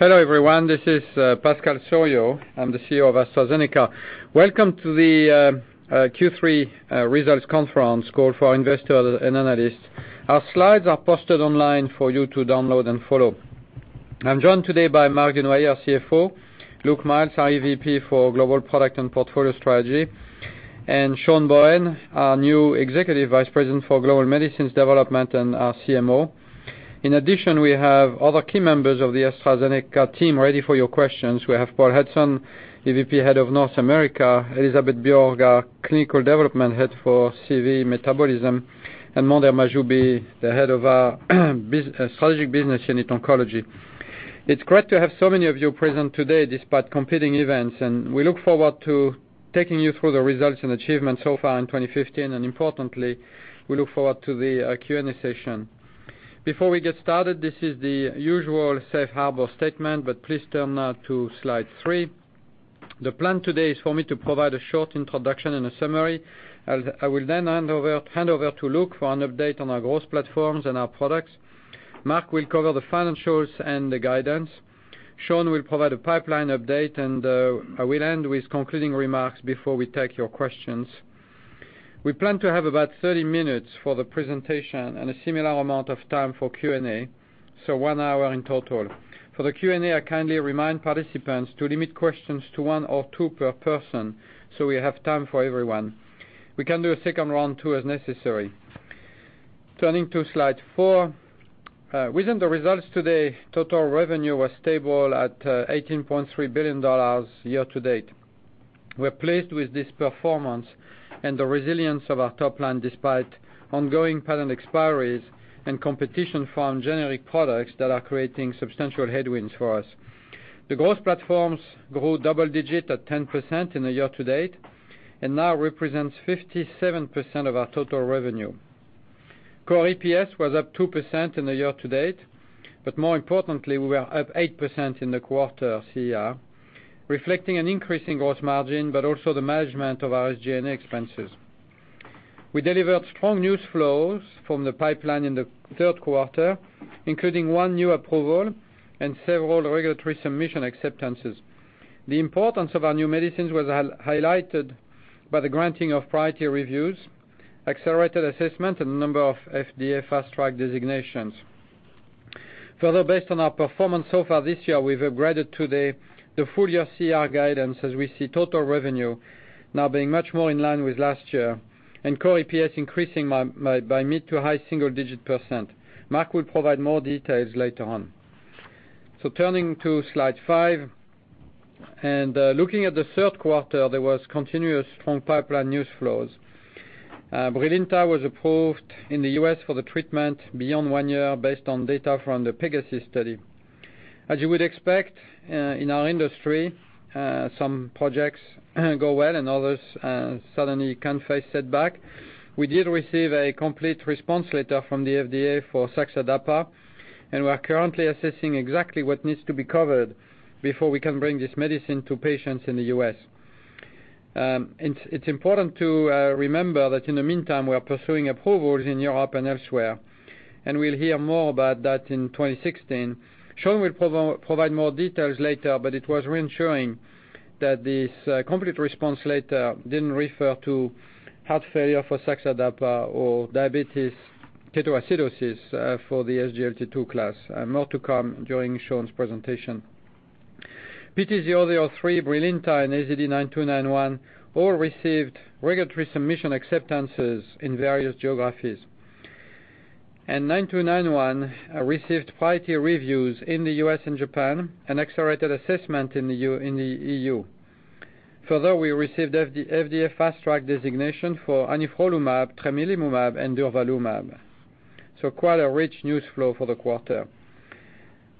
Hello, everyone. This is Pascal Soriot. I am the CEO of AstraZeneca. Welcome to the Q3 results conference call for investors and analysts. Our slides are posted online for you to download and follow. I am joined today by Marc Dunoyer, our CFO, Luke Miels, our EVP for Global Product and Portfolio Strategy, and Sean Bohen, our new Executive Vice President for Global Medicines Development and our CMO. In addition, we have other key members of the AstraZeneca team ready for your questions. We have Paul Hudson, EVP, Head of North America, Elisabeth Björk, our Clinical Development Head for CV Metabolism, and Mondher Mahjoubi, the Head of our Strategic Business Unit, Oncology. It is great to have so many of you present today despite competing events, and we look forward to taking you through the results and achievements so far in 2015, and importantly, we look forward to the Q&A session. Before we get started, this is the usual safe harbor statement. Please turn now to Slide 3. The plan today is for me to provide a short introduction and a summary. I will then hand over to Luke for an update on our growth platforms and our products. Marc will cover the financials and the guidance. Sean will provide a pipeline update, and I will end with concluding remarks before we take your questions. We plan to have about 30 minutes for the presentation and a similar amount of time for Q&A, so one hour in total. For the Q&A, I kindly remind participants to limit questions to one or two per person so we have time for everyone. We can do a second round, too, as necessary. Turning to Slide 4, within the results today, total revenue was stable at $18.3 billion year to date. We are pleased with this performance and the resilience of our top line, despite ongoing patent expiries and competition from generic products that are creating substantial headwinds for us. The growth platforms grew double digits at 10% in the year to date and now represents 57% of our total revenue. Core EPS was up 2% in the year to date, but more importantly, we are up 8% in the quarter, reflecting an increase in gross margin, but also the management of our SG&A expenses. We delivered strong news flows from the pipeline in the third quarter, including one new approval and several regulatory submission acceptances. The importance of our new medicines was highlighted by the granting of priority reviews, accelerated assessment, and a number of FDA Fast Track designations. Further, based on our performance so far this year, we have upgraded today the full-year core guidance as we see total revenue now being much more in line with last year and core EPS increasing by mid- to high single-digit %. Marc will provide more details later on. Turning to Slide 5 and looking at the third quarter, there was continuous strong pipeline news flows. BRILINTA was approved in the U.S. for the treatment beyond one year based on data from the PEGASUS study. As you would expect in our industry, some projects go well and others suddenly can face setback. We did receive a complete response letter from the FDA for saxadapa, and we are currently assessing exactly what needs to be covered before we can bring this medicine to patients in the U.S. It's important to remember that in the meantime, we are pursuing approvals in Europe and elsewhere, and we'll hear more about that in 2016. Sean will provide more details later, but it was reassuring that this complete response letter didn't refer to heart failure for saxadapa or diabetes ketoacidosis for the SGLT2 class. More to come during Sean's presentation. PT003, BRILINTA, and AZD9291 all received regulatory submission acceptances in various geographies. 9291 received priority reviews in the U.S. and Japan, an accelerated assessment in the EU. We received FDA Fast Track designation for anifrolumab, tremelimumab, and durvalumab. Quite a rich news flow for the quarter.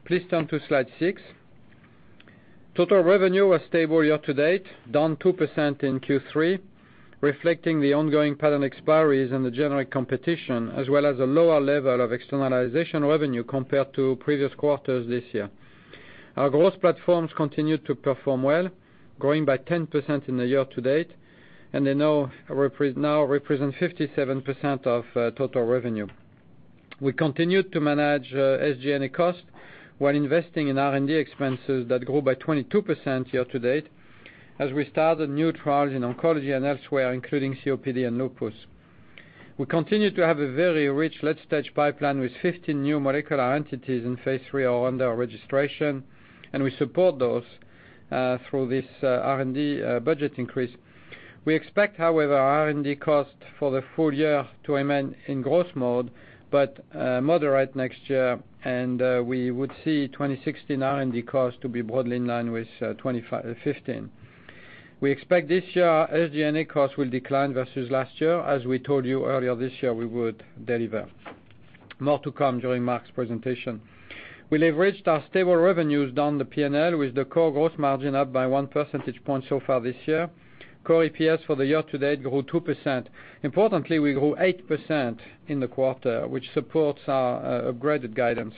Please turn to Slide 6. Total revenue was stable year to date, down 2% in Q3, reflecting the ongoing patent expiries and the generic competition, as well as a lower level of externalization revenue compared to previous quarters this year. Our growth platforms continued to perform well, growing by 10% in the year to date, and they now represent 57% of total revenue. We continued to manage SG&A costs while investing in R&D expenses that grew by 22% year to date as we started new trials in oncology and elsewhere, including COPD and lupus. We continue to have a very rich late-stage pipeline with 15 new molecular entities in Phase III or under registration, and we support those through this R&D budget increase. We expect, however, R&D costs for the full year to remain in growth mode but moderate next year. We would see 2016 R&D costs to be broadly in line with 2015. We expect this year SG&A costs will decline versus last year. As we told you earlier this year, we would deliver. More to come during Marc's presentation. We leveraged our stable revenues down the P&L with the core growth margin up by one percentage point so far this year. Core EPS for the year to date grew 2%. Importantly, we grew 8% in the quarter, which supports our upgraded guidance.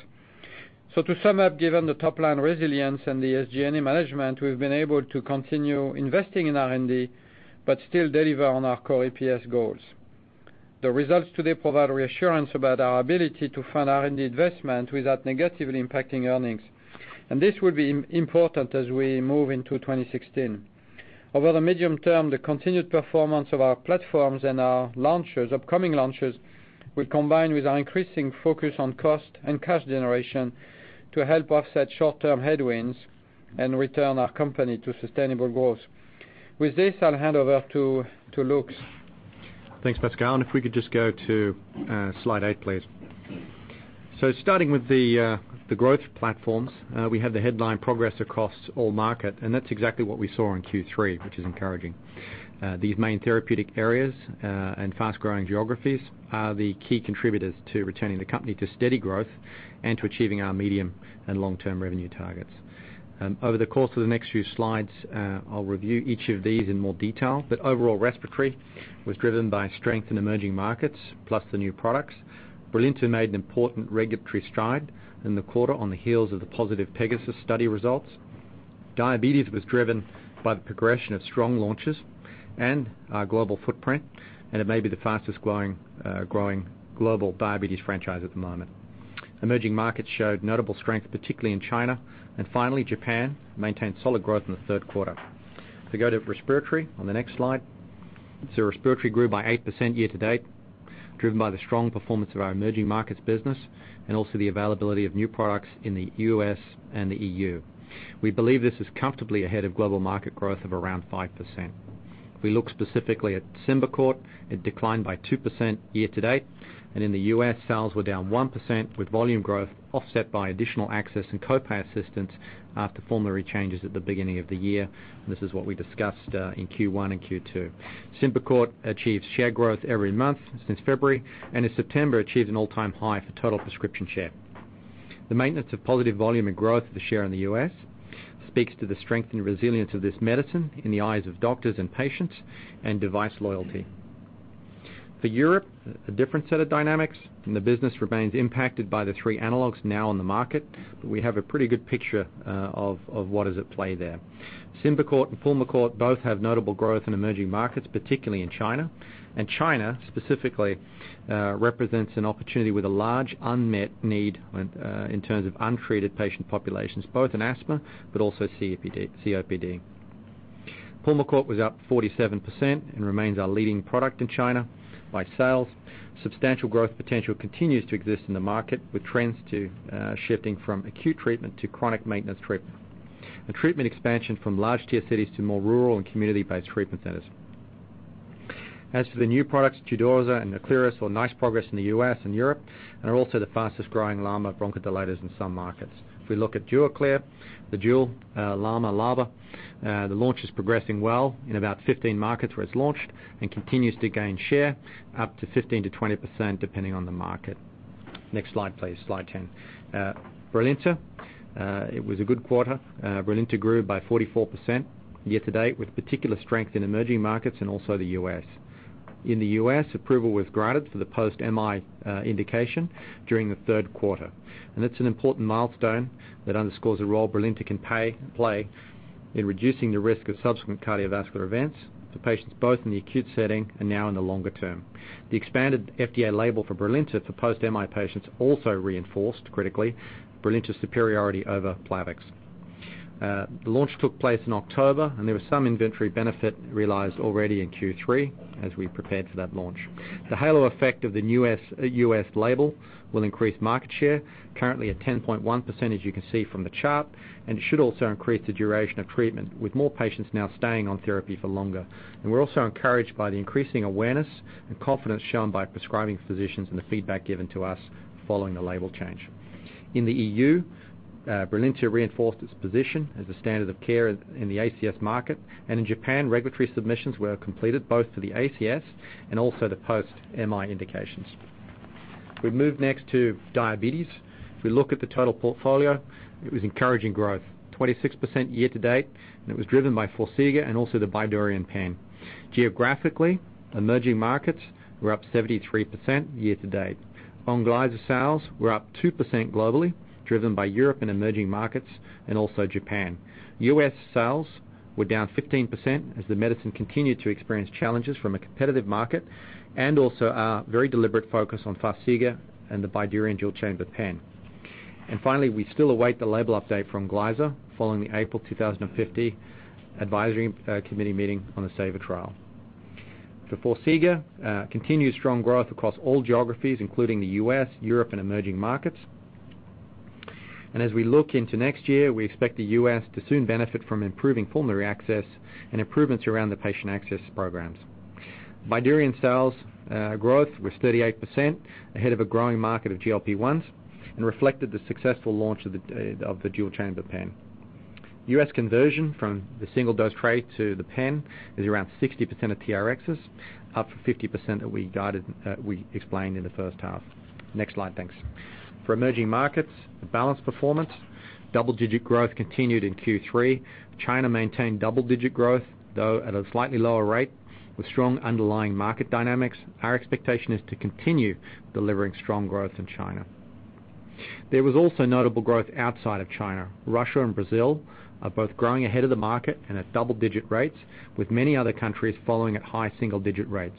To sum up, given the top-line resilience and the SG&A management, we've been able to continue investing in R&D, but still deliver on our core EPS goals. The results today provide reassurance about our ability to fund R&D investment without negatively impacting earnings. This will be important as we move into 2016. Over the medium term, the continued performance of our platforms and our upcoming launches, will combine with our increasing focus on cost and cash generation to help offset short-term headwinds and return our company to sustainable growth. With this, I'll hand over to Luke. Thanks, Pascal. If we could just go to slide eight, please. Starting with the growth platforms, we have the headline progress across all market, and that's exactly what we saw in Q3, which is encouraging. These main therapeutic areas, and fast-growing geographies are the key contributors to returning the company to steady growth and to achieving our medium and long-term revenue targets. Over the course of the next few slides, I'll review each of these in more detail, but overall respiratory was driven by strength in emerging markets, plus the new products. BRILINTA made an important regulatory stride in the quarter on the heels of the positive PEGASUS study results. Diabetes was driven by the progression of strong launches and our global footprint, and it may be the fastest-growing global diabetes franchise at the moment. Emerging markets showed notable strength, particularly in China. Finally, Japan maintained solid growth in the third quarter. We go to respiratory on the next slide. Respiratory grew by 8% year to date, driven by the strong performance of our emerging markets business and also the availability of new products in the U.S. and the EU. We believe this is comfortably ahead of global market growth of around 5%. We look specifically at SYMBICORT, it declined by 2% year to date, and in the U.S., sales were down 1% with volume growth offset by additional access and copay assistance after formulary changes at the beginning of the year. This is what we discussed in Q1 and Q2. SYMBICORT achieves share growth every month since February, and in September, achieved an all-time high for total prescription share. The maintenance of positive volume and growth of the share in the U.S. speaks to the strength and resilience of this medicine in the eyes of doctors and patients, and device loyalty. For Europe, a different set of dynamics. The business remains impacted by the three analogs now on the market. We have a pretty good picture of what is at play there. SYMBICORT and PULMICORT both have notable growth in emerging markets, particularly in China. China specifically represents an opportunity with a large unmet need in terms of untreated patient populations, both in asthma but also COPD. PULMICORT was up 47% and remains our leading product in China by sales. Substantial growth potential continues to exist in the market, with trends shifting from acute treatment to chronic maintenance treatment. A treatment expansion from large tier cities to more rural and community-based treatment centers. As for the new products, Duaklir and Eklira saw nice progress in the U.S. and Europe, and are also the fastest-growing LAMA bronchodilators in some markets. We look at Duaklir, the dual LAMA/LABA, the launch is progressing well in about 15 markets where it's launched and continues to gain share up to 15%-20%, depending on the market. Next slide, please. Slide 10. BRILINTA, it was a good quarter. BRILINTA grew by 44% year to date, with particular strength in emerging markets and also the U.S. In the U.S., approval was granted for the post-MI indication during the third quarter. It's an important milestone that underscores the role BRILINTA can play in reducing the risk of subsequent cardiovascular events to patients both in the acute setting and now in the longer term. The expanded FDA label for BRILINTA for post-MI patients also reinforced, critically, BRILINTA's superiority over Plavix. The launch took place in October. There was some inventory benefit realized already in Q3 as we prepared for that launch. The halo effect of the U.S. label will increase market share, currently at 10.1%, as you can see from the chart. It should also increase the duration of treatment with more patients now staying on therapy for longer. We're also encouraged by the increasing awareness and confidence shown by prescribing physicians and the feedback given to us following the label change. In the EU, BRILINTA reinforced its position as a standard of care in the ACS market. In Japan, regulatory submissions were completed both for the ACS and also the post-MI indications. We move next to diabetes. If we look at the total portfolio, it was encouraging growth, 26% year-to-date, and it was driven by FARXIGA and also the Bydureon pen. Geographically, emerging markets were up 73% year-to-date. ONGLYZA sales were up 2% globally, driven by Europe and emerging markets and also Japan. U.S. sales were down 15% as the medicine continued to experience challenges from a competitive market and also our very deliberate focus on FARXIGA and the Bydureon dual-chamber pen. Finally, we still await the label update from ONGLYZA following the April 2015 advisory committee meeting on the SAVOR trial. For FARXIGA, continued strong growth across all geographies, including the U.S., Europe, and emerging markets. As we look into next year, we expect the U.S. to soon benefit from improving pulmonary access and improvements around the patient access programs. Bydureon sales growth was 38%, ahead of a growing market of GLP-1s and reflected the successful launch of the dual-chamber pen. U.S. conversion from the single-dose tray to the pen is around 60% of TRx, up from 50% that we explained in the first half. Next slide. Thanks. For emerging markets, balanced performance. Double-digit growth continued in Q3. China maintained double-digit growth, though at a slightly lower rate, with strong underlying market dynamics. Our expectation is to continue delivering strong growth in China. There was also notable growth outside of China. Russia and Brazil are both growing ahead of the market and at double-digit rates, with many other countries following at high single-digit rates.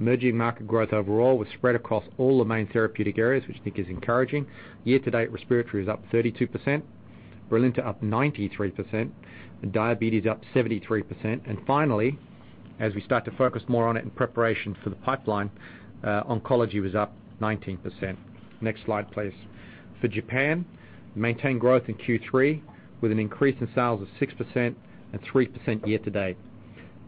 Emerging market growth overall was spread across all the main therapeutic areas, which I think is encouraging. Year-to-date, Respiratory & Immunology is up 32%, BRILINTA up 93%, and diabetes up 73%. Finally, as we start to focus more on it in preparation for the pipeline, oncology was up 19%. Next slide, please. For Japan, we maintained growth in Q3 with an increase in sales of 6% and 3% year-to-date.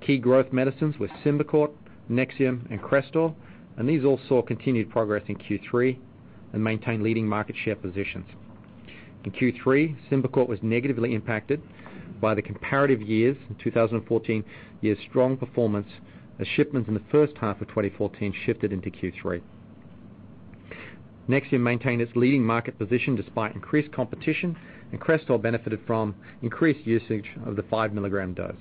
Key growth medicines were SYMBICORT, NEXIUM, and CRESTOR, and these all saw continued progress in Q3 and maintained leading market share positions. In Q3, SYMBICORT was negatively impacted by the comparative years of 2014's strong performance as shipments in the first half of 2014 shifted into Q3. NEXIUM maintained its leading market position despite increased competition, and CRESTOR benefited from increased usage of the five milligram dose.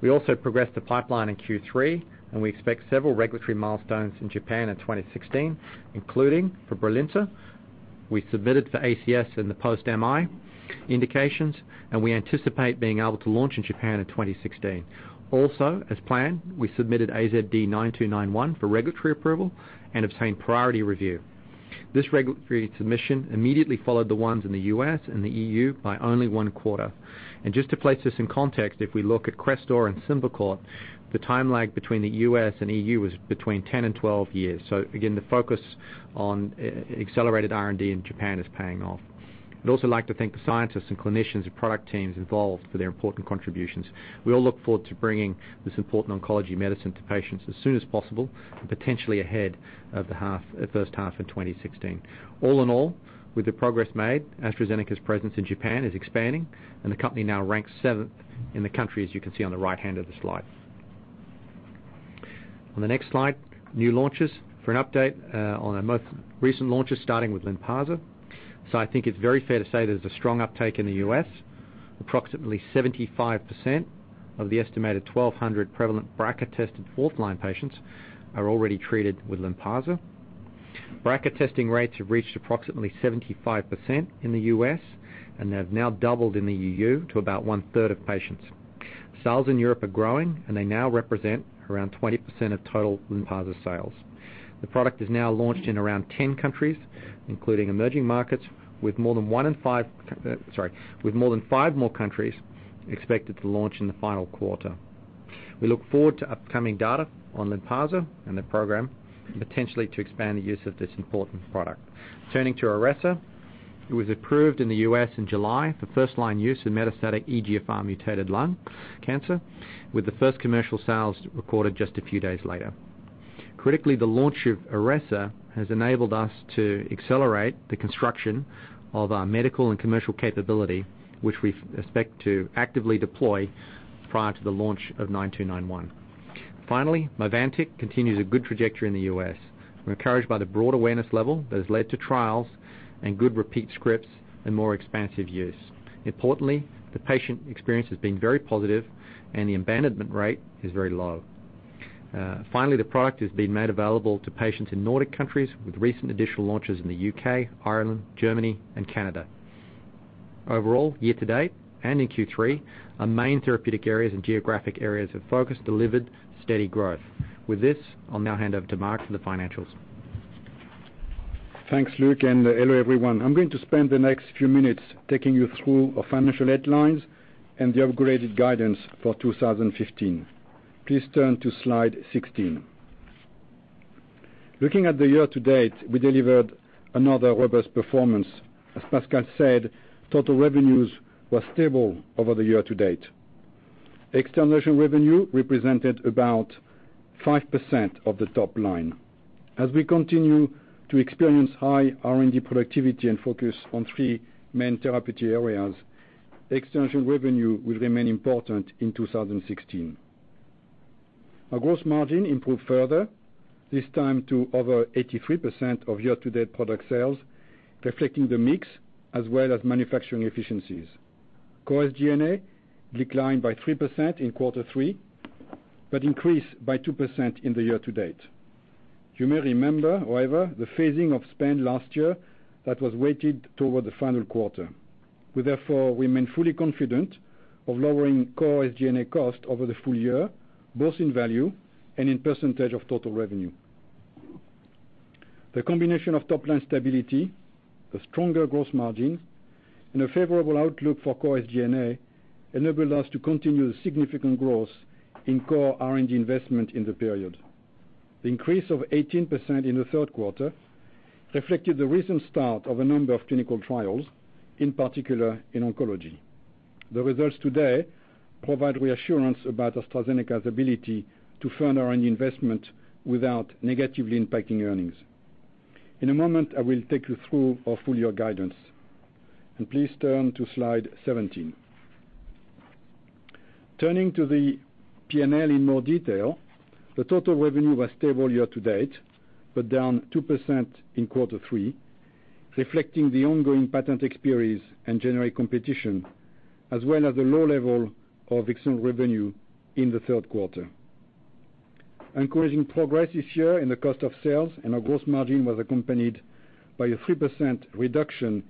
We also progressed the pipeline in Q3, and we expect several regulatory milestones in Japan in 2016, including for BRILINTA. We submitted for ACS in the post-MI indications, and we anticipate being able to launch in Japan in 2016. Also, as planned, we submitted AZD9291 for regulatory approval and obtained priority review. This regulatory submission immediately followed the ones in the U.S. and the EU by only one quarter. Just to place this in context, if we look at CRESTOR and SYMBICORT, the time lag between the U.S. and EU was between 10 and 12 years. Again, the focus on accelerated R&D in Japan is paying off. I'd also like to thank the scientists and clinicians and product teams involved for their important contributions. We all look forward to bringing this important oncology medicine to patients as soon as possible and potentially ahead of the first half of 2016. All in all, with the progress made, AstraZeneca's presence in Japan is expanding, and the company now ranks seventh in the country, as you can see on the right-hand of the slide. On the next slide, new launches. I think it's very fair to say there's a strong uptake in the U.S. Approximately 75% of the estimated 1,200 prevalent BRCA-tested fourth-line patients are already treated with LYNPARZA. BRCA testing rates have reached approximately 75% in the U.S., and they have now doubled in the EU to about one-third of patients. Sales in Europe are growing, and they now represent around 20% of total LYNPARZA sales. The product is now launched in around 10 countries, including emerging markets, with five more countries expected to launch in the final quarter. We look forward to upcoming data on LYNPARZA and the program, potentially to expand the use of this important product. Turning to IRESSA, it was approved in the U.S. in July for first-line use in metastatic EGFR-mutated lung cancer, with the first commercial sales recorded just a few days later. Critically, the launch of IRESSA has enabled us to accelerate the construction of our medical and commercial capability, which we expect to actively deploy prior to the launch of 9291. Finally, MOVANTIK continues a good trajectory in the U.S. We're encouraged by the broad awareness level that has led to trials and good repeat scripts and more expansive use. Importantly, the patient experience has been very positive and the abandonment rate is very low. Finally, the product has been made available to patients in Nordic countries with recent additional launches in the U.K., Ireland, Germany, and Canada. Overall, year-to-date and in Q3, our main therapeutic areas and geographic areas of focus delivered steady growth. With this, I'll now hand over to Marc for the financials. Thanks, Luke, and hello, everyone. I'm going to spend the next few minutes taking you through our financial headlines and the upgraded guidance for 2015. Please turn to slide 16. Looking at the year-to-date, we delivered another robust performance. As Pascal said, total revenues were stable over the year-to-date. External revenue represented about 5% of the top line. As we continue to experience high R&D productivity and focus on three main therapeutic areas, external revenue will remain important in 2016. Our gross margin improved further, this time to over 83% of year-to-date product sales, reflecting the mix as well as manufacturing efficiencies. Core SG&A declined by 3% in quarter three, but increased by 2% in the year-to-date. You may remember, however, the phasing of spend last year that was weighted toward the final quarter. We, therefore, remain fully confident of lowering core SG&A cost over the full year, both in value and in percentage of total revenue. The combination of top-line stability, a stronger gross margin, and a favorable outlook for core SG&A enabled us to continue the significant growth in core R&D investment in the period. The increase of 18% in the third quarter reflected the recent start of a number of clinical trials, in particular in oncology. The results today provide reassurance about AstraZeneca's ability to fund our R&D investment without negatively impacting earnings. In a moment, I will take you through our full-year guidance. Please turn to slide 17. Turning to the P&L in more detail, the total revenue was stable year-to-date, but down 2% in quarter three, reflecting the ongoing patent expiry and generic competition as well as the low level of external revenue in the third quarter. Encouraging progress this year in the cost of sales and our gross margin was accompanied by a 3% reduction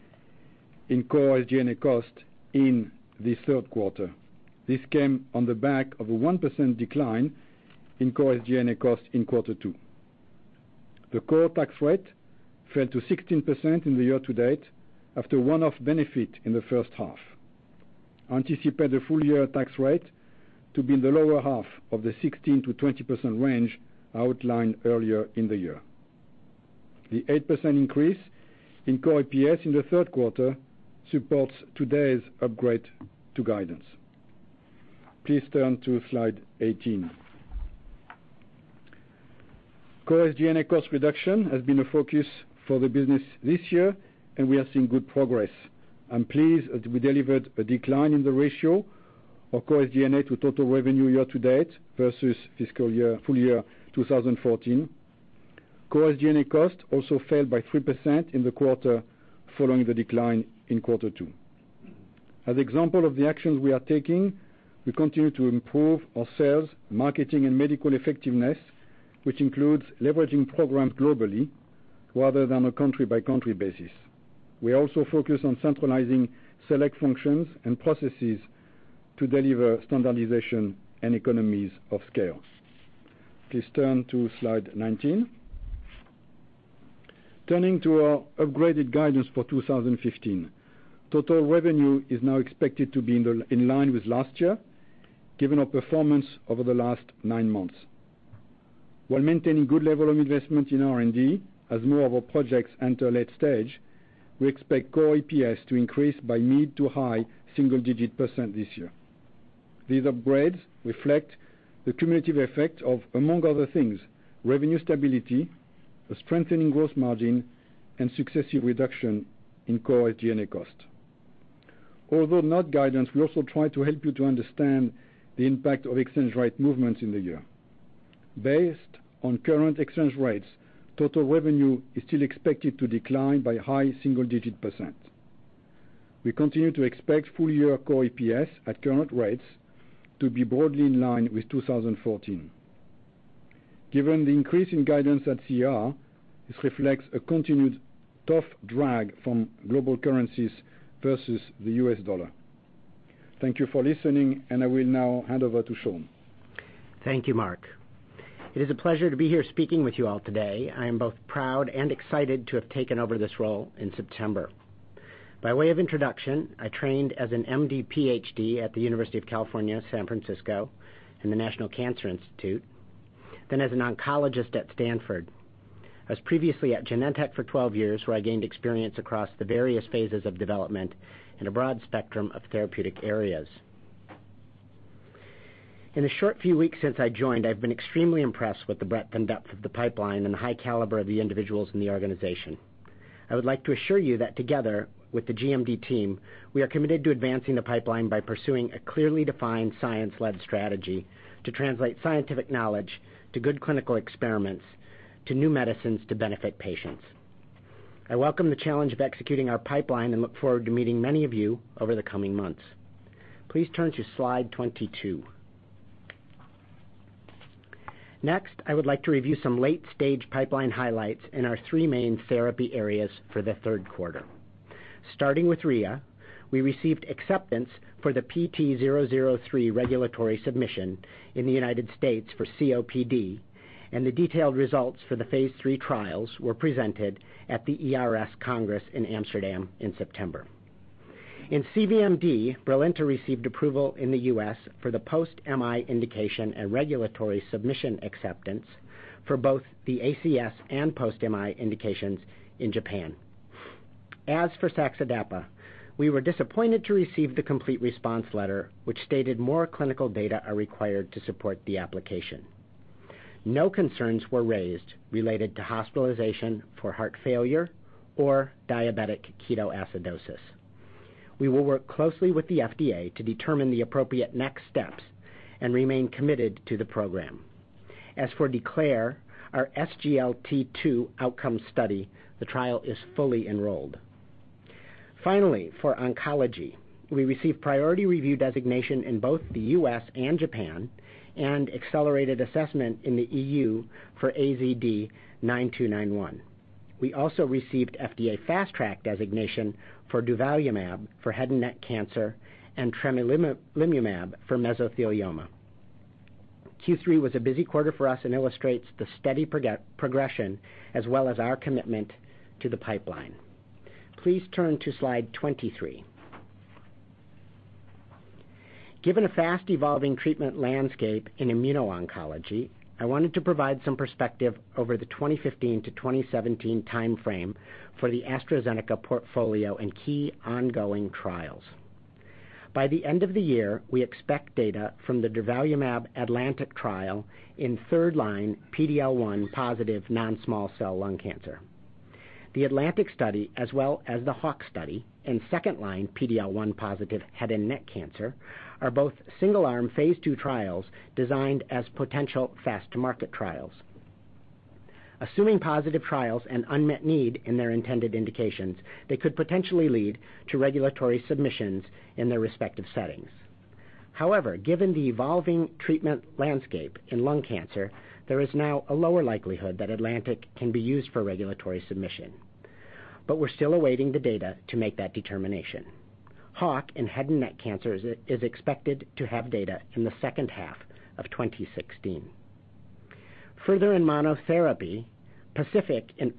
in core SG&A cost in the third quarter. This came on the back of a 1% decline in core SG&A cost in quarter two. The core tax rate fell to 16% in the year to date after a one-off benefit in the first half. We anticipate the full year tax rate to be in the lower half of the 16%-20% range outlined earlier in the year. The 8% increase in core EPS in the third quarter supports today's upgrade to guidance. Please turn to slide 18. Core SG&A cost reduction has been a focus for the business this year, and we are seeing good progress. I'm pleased that we delivered a decline in the ratio of core SG&A to total revenue year to date versus fiscal full year 2014. Core SG&A cost also fell by 3% in the quarter following the decline in quarter two. As example of the actions we are taking, we continue to improve our sales, marketing, and medical effectiveness, which includes leveraging programs globally rather than a country-by-country basis. We also focus on centralizing select functions and processes to deliver standardization and economies of scale. Please turn to slide 19. Turning to our upgraded guidance for 2015. Total revenue is now expected to be in line with last year, given our performance over the last nine months. While maintaining good level of investment in R&D as more of our projects enter late stage, we expect core EPS to increase by mid to high single digit % this year. These upgrades reflect the cumulative effect of, among other things, revenue stability, a strengthening gross margin, and successive reduction in core SG&A cost. Although not guidance, we also try to help you to understand the impact of exchange rate movements in the year. Based on current exchange rates, total revenue is still expected to decline by high single digit %. We continue to expect full year core EPS at current rates to be broadly in line with 2014. Given the increase in guidance at CR, this reflects a continued tough drag from global currencies versus the US dollar. Thank you for listening, and I will now hand over to Sean. Thank you, Marc. It is a pleasure to be here speaking with you all today. I am both proud and excited to have taken over this role in September. By way of introduction, I trained as an MD PhD at the University of California, San Francisco in the National Cancer Institute, then as an oncologist at Stanford. I was previously at Genentech for 12 years, where I gained experience across the various phases of development in a broad spectrum of therapeutic areas. In the short few weeks since I joined, I've been extremely impressed with the breadth and depth of the pipeline and the high caliber of the individuals in the organization. I would like to assure you that together with the GMD team, we are committed to advancing the pipeline by pursuing a clearly defined science-led strategy to translate scientific knowledge to good clinical experiments to new medicines to benefit patients. I welcome the challenge of executing our pipeline and look forward to meeting many of you over the coming months. Please turn to slide 22. Next, I would like to review some late-stage pipeline highlights in our three main therapy areas for the third quarter. Starting with RIA, we received acceptance for the PT003 regulatory submission in the U.S. for COPD, and the detailed results for the phase III trials were presented at the ERS Congress in Amsterdam in September. In CVMD, BRILINTA received approval in the U.S. for the post-MI indication and regulatory submission acceptance for both the ACS and post-MI indications in Japan. As for Saxa/dapa, we were disappointed to receive the complete response letter, which stated more clinical data are required to support the application. No concerns were raised related to hospitalization for heart failure or diabetic ketoacidosis. We will work closely with the FDA to determine the appropriate next steps and remain committed to the program. As for DECLARE, our SGLT2 outcome study, the trial is fully enrolled. Finally, for oncology, we received priority review designation in both the U.S. and Japan and accelerated assessment in the EU for AZD9291. We also received FDA Fast Track designation for durvalumab for head and neck cancer and tremelimumab for mesothelioma. Q3 was a busy quarter for us and illustrates the steady progression as well as our commitment to the pipeline. Please turn to slide 23. Given a fast evolving treatment landscape in immuno-oncology, I wanted to provide some perspective over the 2015 to 2017 timeframe for the AstraZeneca portfolio and key ongoing trials. By the end of the year, we expect data from the durvalumab ATLANTIC trial in third line PD-L1 positive non-small cell lung cancer. The ATLANTIC study as well as the HAWK study in second line PD-L1 positive head and neck cancer are both single-arm phase II trials designed as potential fast-to-market trials. Assuming positive trials and unmet need in their intended indications, they could potentially lead to regulatory submissions in their respective settings. However, given the evolving treatment landscape in lung cancer, there is now a lower likelihood that ATLANTIC can be used for regulatory submission. We're still awaiting the data to make that determination. HAWK, in head and neck cancers, is expected to have data in the second half of 2016. Further in monotherapy, Pacific in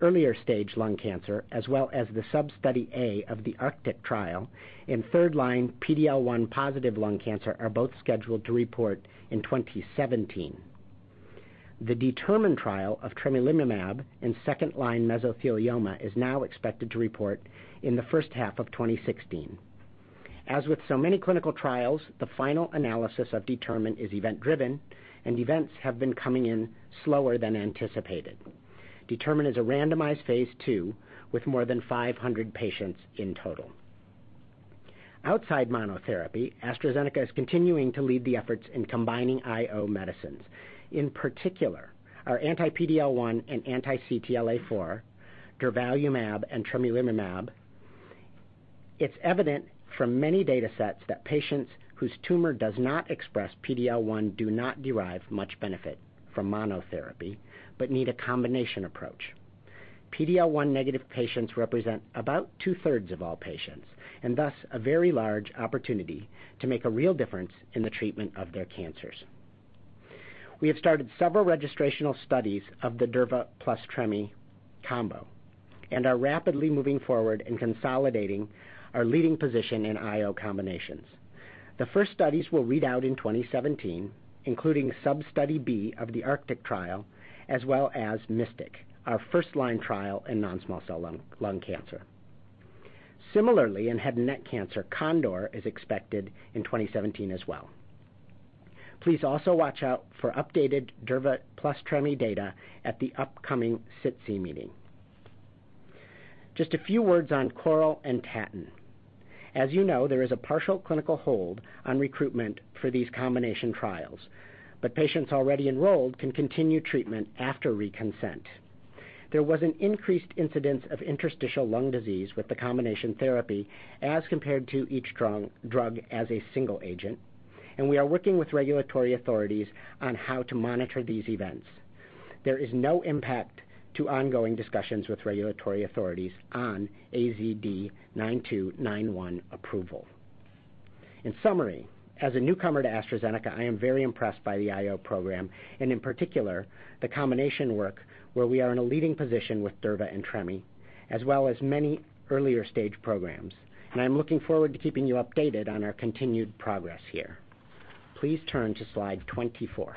earlier-stage lung cancer, as well as the Sub-Study A of the Arctic trial in third-line PD-L1-positive lung cancer, are both scheduled to report in 2017. The Determine trial of tremelimumab in second-line mesothelioma is now expected to report in the first half of 2016. As with so many clinical trials, the final analysis of Determine is event-driven, and events have been coming in slower than anticipated. Determine is a randomized phase II with more than 500 patients in total. Outside monotherapy, AstraZeneca is continuing to lead the efforts in combining IO medicines, in particular, our anti-PD-L1 and anti-CTLA4, durvalumab and tremelimumab. It's evident from many data sets that patients whose tumor does not express PD-L1 do not derive much benefit from monotherapy but need a combination approach. PD-L1-negative patients represent about two-thirds of all patients, and thus a very large opportunity to make a real difference in the treatment of their cancers. We have started several registrational studies of the durva plus tremi combo and are rapidly moving forward in consolidating our leading position in IO combinations. The first studies will read out in 2017, including Sub-Study B of the Arctic trial, as well as Mystic, our first-line trial in non-small cell lung cancer. Similarly, in head and neck cancer, Condor is expected in 2017 as well. Please also watch out for updated durva plus tremi data at the upcoming SITC meeting. Just a few words on Coral and Tatton. As you know, there is a partial clinical hold on recruitment for these combination trials, but patients already enrolled can continue treatment after reconsent. There was an increased incidence of interstitial lung disease with the combination therapy as compared to each drug as a single agent, and we are working with regulatory authorities on how to monitor these events. There is no impact to ongoing discussions with regulatory authorities on AZD9291 approval. In summary, as a newcomer to AstraZeneca, I am very impressed by the IO program and, in particular, the combination work where we are in a leading position with durva and tremi, as well as many earlier-stage programs. I'm looking forward to keeping you updated on our continued progress here. Please turn to slide 24.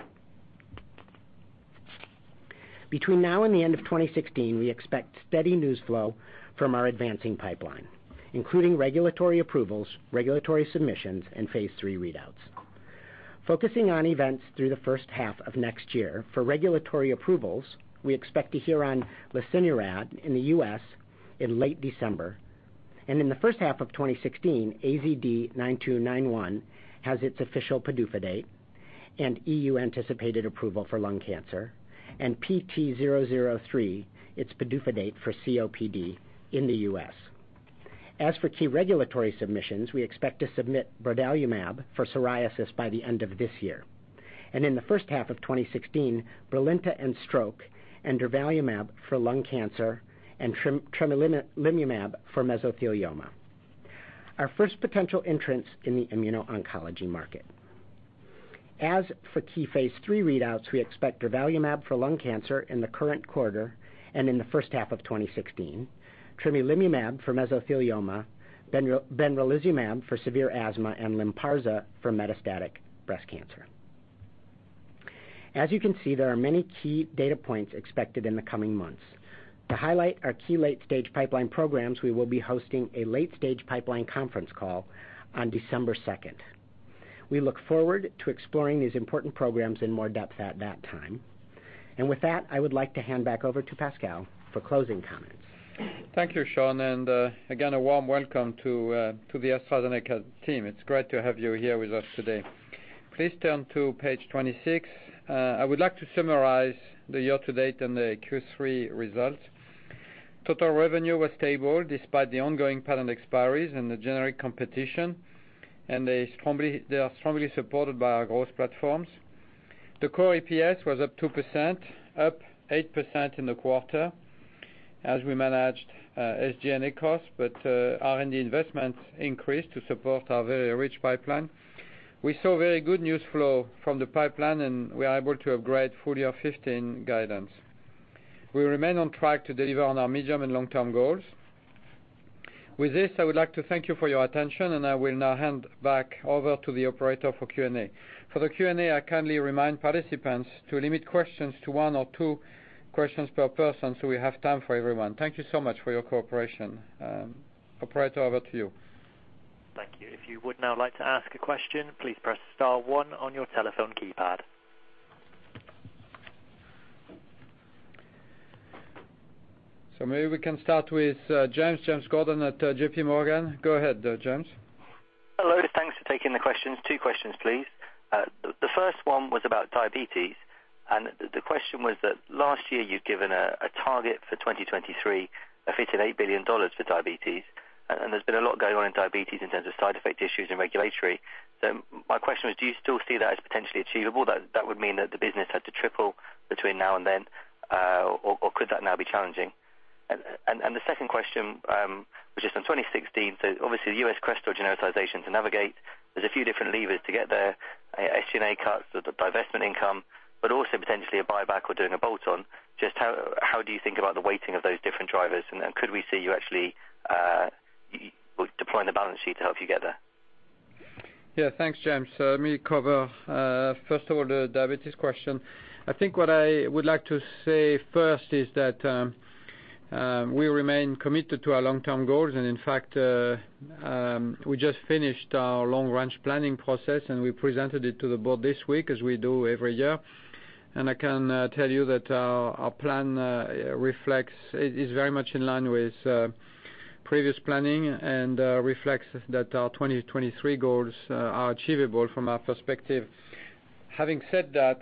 Between now and the end of 2016, we expect steady news flow from our advancing pipeline, including regulatory approvals, regulatory submissions, and phase III readouts. Focusing on events through the first half of next year, for regulatory approvals, we expect to hear on lesinurad in the U.S. in late December. In the first half of 2016, AZD9291 has its official PDUFA date and EU anticipated approval for lung cancer, and PT003 its PDUFA date for COPD in the U.S. As for key regulatory submissions, we expect to submit durvalumab for psoriasis by the end of this year. In the first half of 2016, BRILINTA in stroke and durvalumab for lung cancer and tremelimumab for mesothelioma. Our first potential entrants in the immuno-oncology market. As for key phase III readouts, we expect durvalumab for lung cancer in the current quarter and in the first half of 2016, tremelimumab for mesothelioma, benralizumab for severe asthma, and LYNPARZA for metastatic breast cancer. As you can see, there are many key data points expected in the coming months. To highlight our key late-stage pipeline programs, we will be hosting a late-stage pipeline conference call on December 2nd. We look forward to exploring these important programs in more depth at that time. With that, I would like to hand back over to Pascal for closing comments. Thank you, Sean, again, a warm welcome to the AstraZeneca team. It's great to have you here with us today. Please turn to page 26. I would like to summarize the year-to-date and the Q3 results. Total revenue was stable despite the ongoing patent expiries and the generic competition, they are strongly supported by our growth platforms. The core EPS was up 2%, up 8% in the quarter as we managed SG&A costs, R&D investments increased to support our very rich pipeline. We saw very good news flow from the pipeline, we are able to upgrade full-year 2015 guidance. We remain on track to deliver on our medium and long-term goals. With this, I would like to thank you for your attention, I will now hand back over to the operator for Q&A. For the Q&A, I kindly remind participants to limit questions to one or two questions per person we have time for everyone. Thank you so much for your cooperation. Operator, over to you. Thank you. If you would now like to ask a question, please press star one on your telephone keypad. Maybe we can start with James Gordon at JPMorgan. Go ahead, James. Hello. Thanks for taking the questions. Two questions, please. The first one was about diabetes. The question was that last year you'd given a target for 2023 of $69 billion for diabetes. There's been a lot going on in diabetes in terms of side effect issues and regulatory. My question was, do you still see that as potentially achievable, that would mean that the business had to triple between now and then? Could that now be challenging? The second question, which is on 2016, obviously the U.S. CRESTOR genericization to navigate, there's a few different levers to get there, SG&A cuts, the divestment income, but also potentially a buyback or doing a bolt-on. Just how do you think about the weighting of those different drivers? Could we see you actually deploying the balance sheet to help you get there? Yeah. Thanks, James. Let me cover, first of all, the diabetes question. I think what I would like to say first is that we remain committed to our long-term goals. In fact, we just finished our long-range planning process, and we presented it to the board this week, as we do every year. I can tell you that our plan is very much in line with previous planning and reflects that our 2023 goals are achievable from our perspective. Having said that,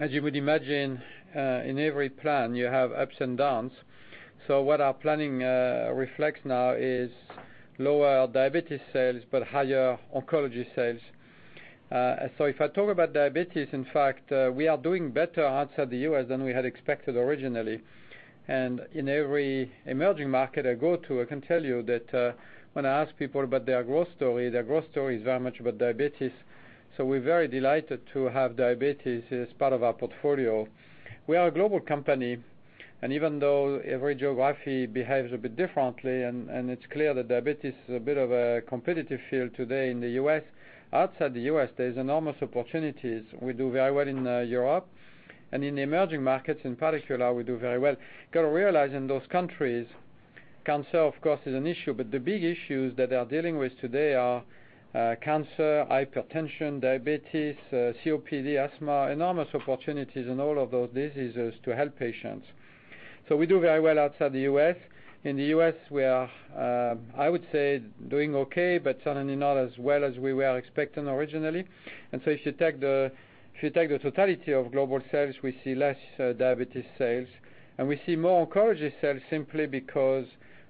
as you would imagine, in every plan, you have ups and downs. What our planning reflects now is lower diabetes sales but higher oncology sales. If I talk about diabetes, in fact, we are doing better outside the U.S. than we had expected originally. In every emerging market I go to, I can tell you that when I ask people about their growth story, their growth story is very much about diabetes. We're very delighted to have diabetes as part of our portfolio. We are a global company, even though every geography behaves a bit differently, it's clear that diabetes is a bit of a competitive field today in the U.S., outside the U.S., there's enormous opportunities. We do very well in Europe and in the emerging markets, in particular, we do very well. You got to realize, in those countries, cancer, of course, is an issue, but the big issues that they are dealing with today are cancer, hypertension, diabetes, COPD, asthma, enormous opportunities in all of those diseases to help patients. We do very well outside the U.S. In the U.S., we are, I would say, doing okay, but certainly not as well as we were expecting originally. If you take the totality of global sales, we see less diabetes sales, and we see more oncology sales simply because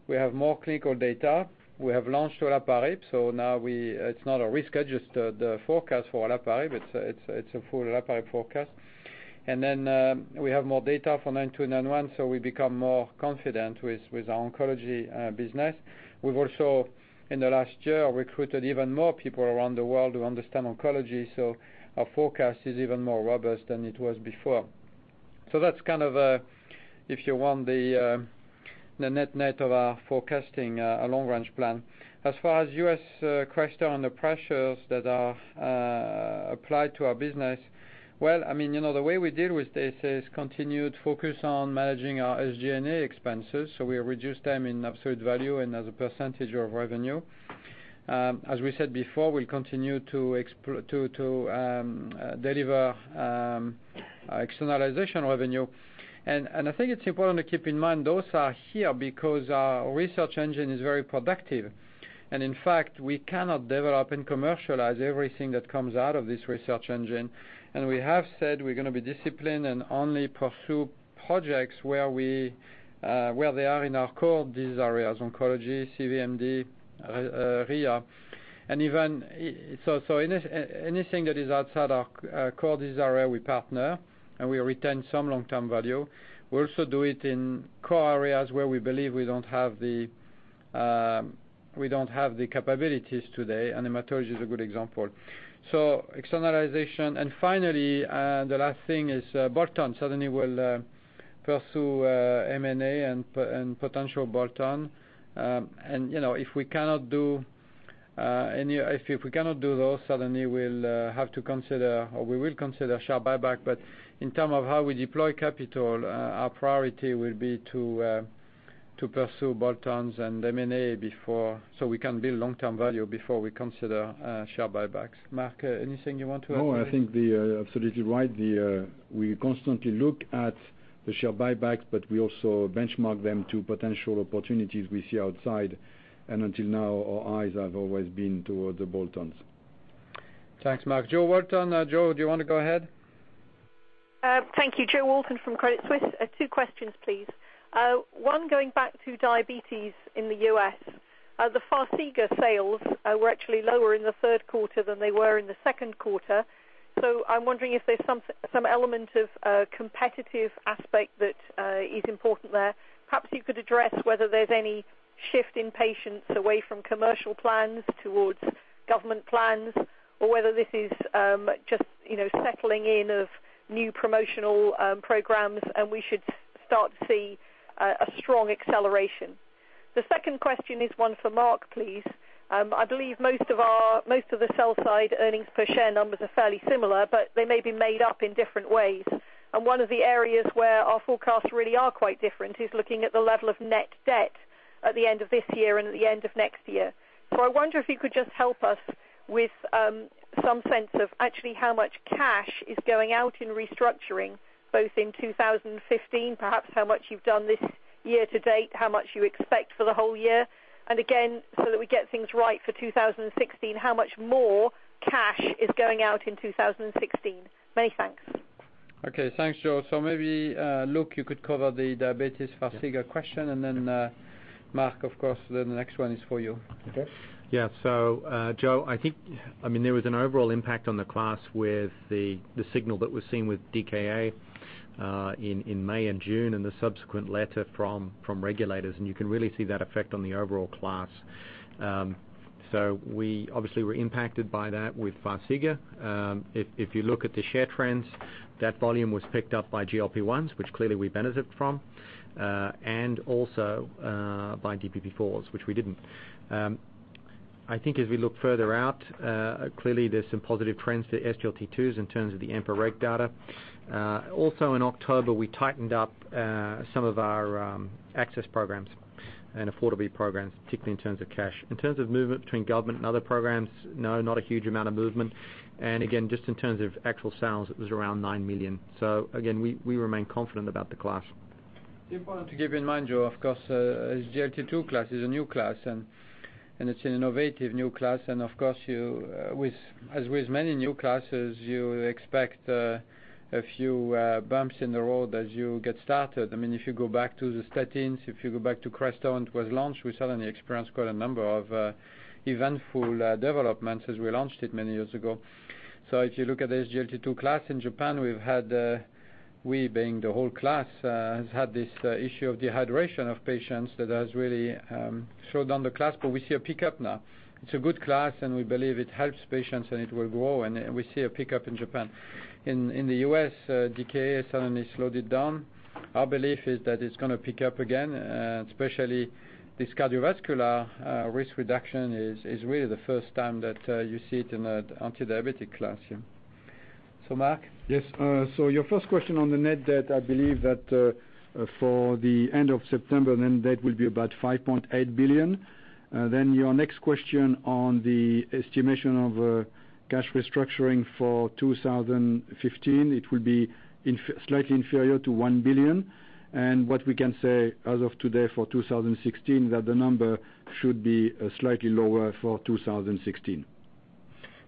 we have more clinical data. We have launched olaparib, so now it's not a risk, just the forecast for olaparib. It's a full olaparib forecast. We have more data for AZD9291, so we become more confident with our oncology business. We've also, in the last year, recruited even more people around the world who understand oncology, so our forecast is even more robust than it was before. That's, if you want, the net of our forecasting long-range plan. As far as U.S. CRESTOR and the pressures that are applied to our business, well, the way we deal with this is continued focus on managing our SG&A expenses, so we reduce them in absolute value and as a percentage of revenue. As we said before, we'll continue to deliver externalization revenue. I think it's important to keep in mind those are here because our research engine is very productive. In fact, we cannot develop and commercialize everything that comes out of this research engine. We have said we're going to be disciplined and only pursue projects where they are in our core disease areas, oncology, CVMD, RIA. Anything that is outside our core disease area, we partner, and we retain some long-term value. We also do it in core areas where we believe we don't have the capabilities today, and hematology is a good example. Externalization. Finally, the last thing is bolt-on. Certainly, we'll pursue M&A and potential bolt-on. If we cannot do those, certainly we will consider share buyback. In term of how we deploy capital, our priority will be to pursue bolt-ons and M&A so we can build long-term value before we consider share buybacks. Marc, anything you want to add to this? No, I think absolutely right. We constantly look at the share buybacks, but we also benchmark them to potential opportunities we see outside. Until now, our eyes have always been toward the bolt-ons. Thanks, Marc. Jo Walton. Jo, do you want to go ahead? Thank you. Jo Walton from Credit Suisse. Two questions, please. One, going back to diabetes in the U.S., the FARXIGA sales were actually lower in the third quarter than they were in the second quarter. I'm wondering if there's some element of competitive aspect that is important there. Perhaps you could address whether there's any shift in patients away from commercial plans towards government plans or whether this is just settling in of new promotional programs, and we should start to see a strong acceleration. The second question is one for Marc, please. I believe most of the sell side earnings per share numbers are fairly similar, but they may be made up in different ways. One of the areas where our forecasts really are quite different is looking at the level of net debt. At the end of this year and at the end of next year. I wonder if you could just help us with some sense of actually how much cash is going out in restructuring, both in 2015, perhaps how much you've done this year to date, how much you expect for the whole year. Again, so that we get things right for 2016, how much more cash is going out in 2016? Many thanks. Okay. Thanks, Jo. Maybe, Luke, you could cover the diabetes FARXIGA question, then, Marc, of course, the next one is for you. Okay. Yeah. Jo, there was an overall impact on the class with the signal that was seen with DKA in May and June and the subsequent letter from regulators, and you can really see that effect on the overall class. We obviously were impacted by that with FARXIGA. If you look at the share trends, that volume was picked up by GLP-1s, which clearly we benefit from. Also, by DPP-4s, which we didn't. I think as we look further out, clearly there's some positive trends to SGLT2s in terms of the EMPA-REG data. Also in October, we tightened up some of our access programs and affordability programs, particularly in terms of cash. In terms of movement between government and other programs, no, not a huge amount of movement, and again, just in terms of actual sales, it was around $9 million. Again, we remain confident about the class. It's important to keep in mind, Jo, of course, SGLT2 class is a new class, and it's an innovative new class. Of course, as with many new classes, you expect a few bumps in the road as you get started. If you go back to the statins, if you go back to CRESTOR when it was launched, we suddenly experienced quite a number of eventful developments as we launched it many years ago. If you look at the SGLT2 class in Japan, we've had, we being the whole class, has had this issue of dehydration of patients that has really slowed down the class, but we see a pickup now. It's a good class, and we believe it helps patients, and it will grow, and we see a pickup in Japan. In the U.S., DKA suddenly slowed it down. Our belief is that it's going to pick up again, especially this cardiovascular risk reduction is really the first time that you see it in an antidiabetic class. Marc? Your first question on the net debt, I believe that for the end of September, the net debt will be about $5.8 billion. Your next question on the estimation of cash restructuring for 2015, it will be slightly inferior to $1 billion. What we can say as of today for 2016, that the number should be slightly lower for 2016.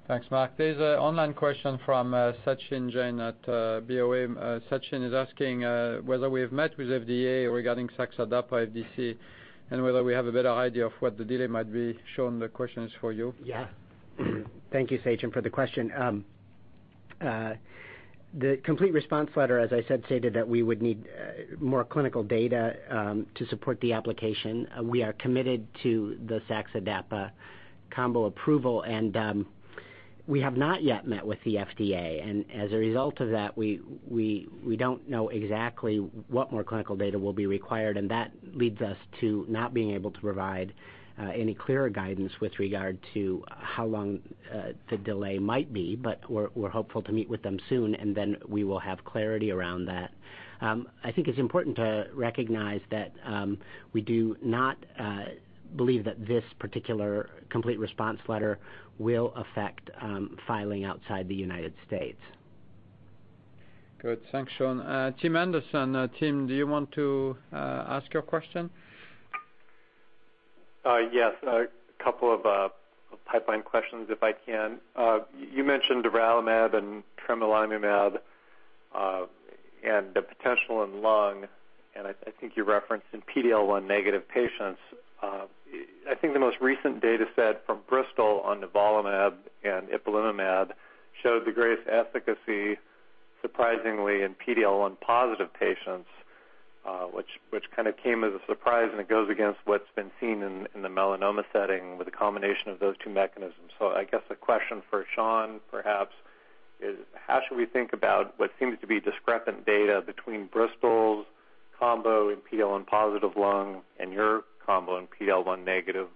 Thanks, Marc. There's an online question from Sachin Jain at Bank of America Merrill Lynch. Sachin is asking whether we have met with FDA regarding saxadapa FDC and whether we have a better idea of what the delay might be. Sean, the question is for you. Yeah. Thank you, Sachin, for the question. The complete response letter, as I said, stated that we would need more clinical data to support the application. We are committed to the saxadapa combo approval, we have not yet met with the FDA. As a result of that, we don't know exactly what more clinical data will be required, that leads us to not being able to provide any clearer guidance with regard to how long the delay might be. We're hopeful to meet with them soon, then we will have clarity around that. I think it's important to recognize that we do not believe that this particular complete response letter will affect filing outside the U.S. Good. Thanks, Sean. Tim Anderson. Tim, do you want to ask your question? Yes. A couple of pipeline questions, if I can. You mentioned durvalumab and tremelimumab, and the potential in lung, I think you referenced in PD-L1 negative patients. I think the most recent data set from Bristol on durvalumab and ipilimumab showed the greatest efficacy, surprisingly, in PD-L1 positive patients, which kind of came as a surprise, it goes against what's been seen in the melanoma setting with a combination of those two mechanisms. I guess a question for Sean, perhaps, is how should we think about what seems to be discrepant data between Bristol's combo in PD-L1 positive lung and your combo in PD-L1 negative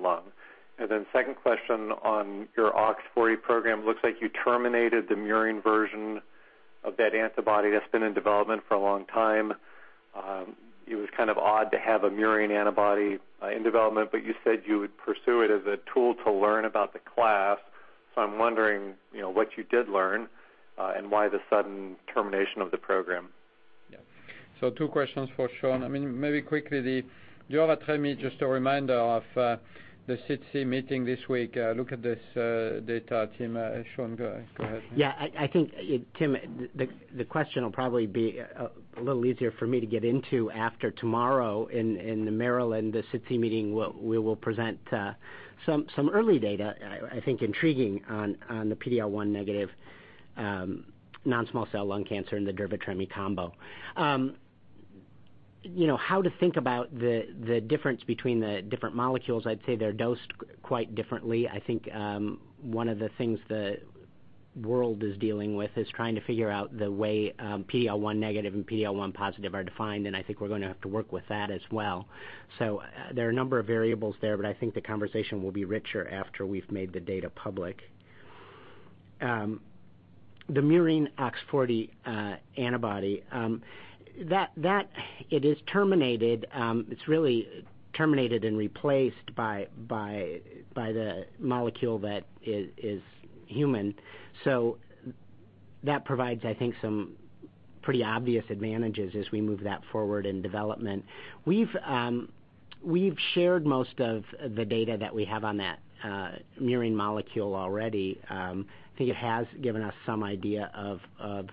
lung? Then second question on your OX40 program. Looks like you terminated the murine version of that antibody that's been in development for a long time. It was kind of odd to have a murine antibody in development, but you said you would pursue it as a tool to learn about the class. I'm wondering what you did learn, and why the sudden termination of the program. Two questions for Sean. Maybe quickly, Jo or tremelimumab, just a reminder of the SITC meeting this week. Look at this data, Tim. Sean, go ahead. I think, Tim, the question will probably be a little easier for me to get into after tomorrow in the Maryland SITC meeting, we will present some early data, I think intriguing, on the PD-L1 negative non-small cell lung cancer and the durvalumab/tremelimumab combo. How to think about the difference between the different molecules, I'd say they're dosed quite differently. I think one of the things the world is dealing with is trying to figure out the way PD-L1 negative and PD-L1 positive are defined, and I think we're going to have to work with that as well. There are a number of variables there, but I think the conversation will be richer after we've made the data public. The murine OX40 antibody. It is terminated. It's really terminated and replaced by the molecule that is human. That provides, I think, some pretty obvious advantages as we move that forward in development. We've shared most of the data that we have on that murine molecule already. I think it has given us some idea of what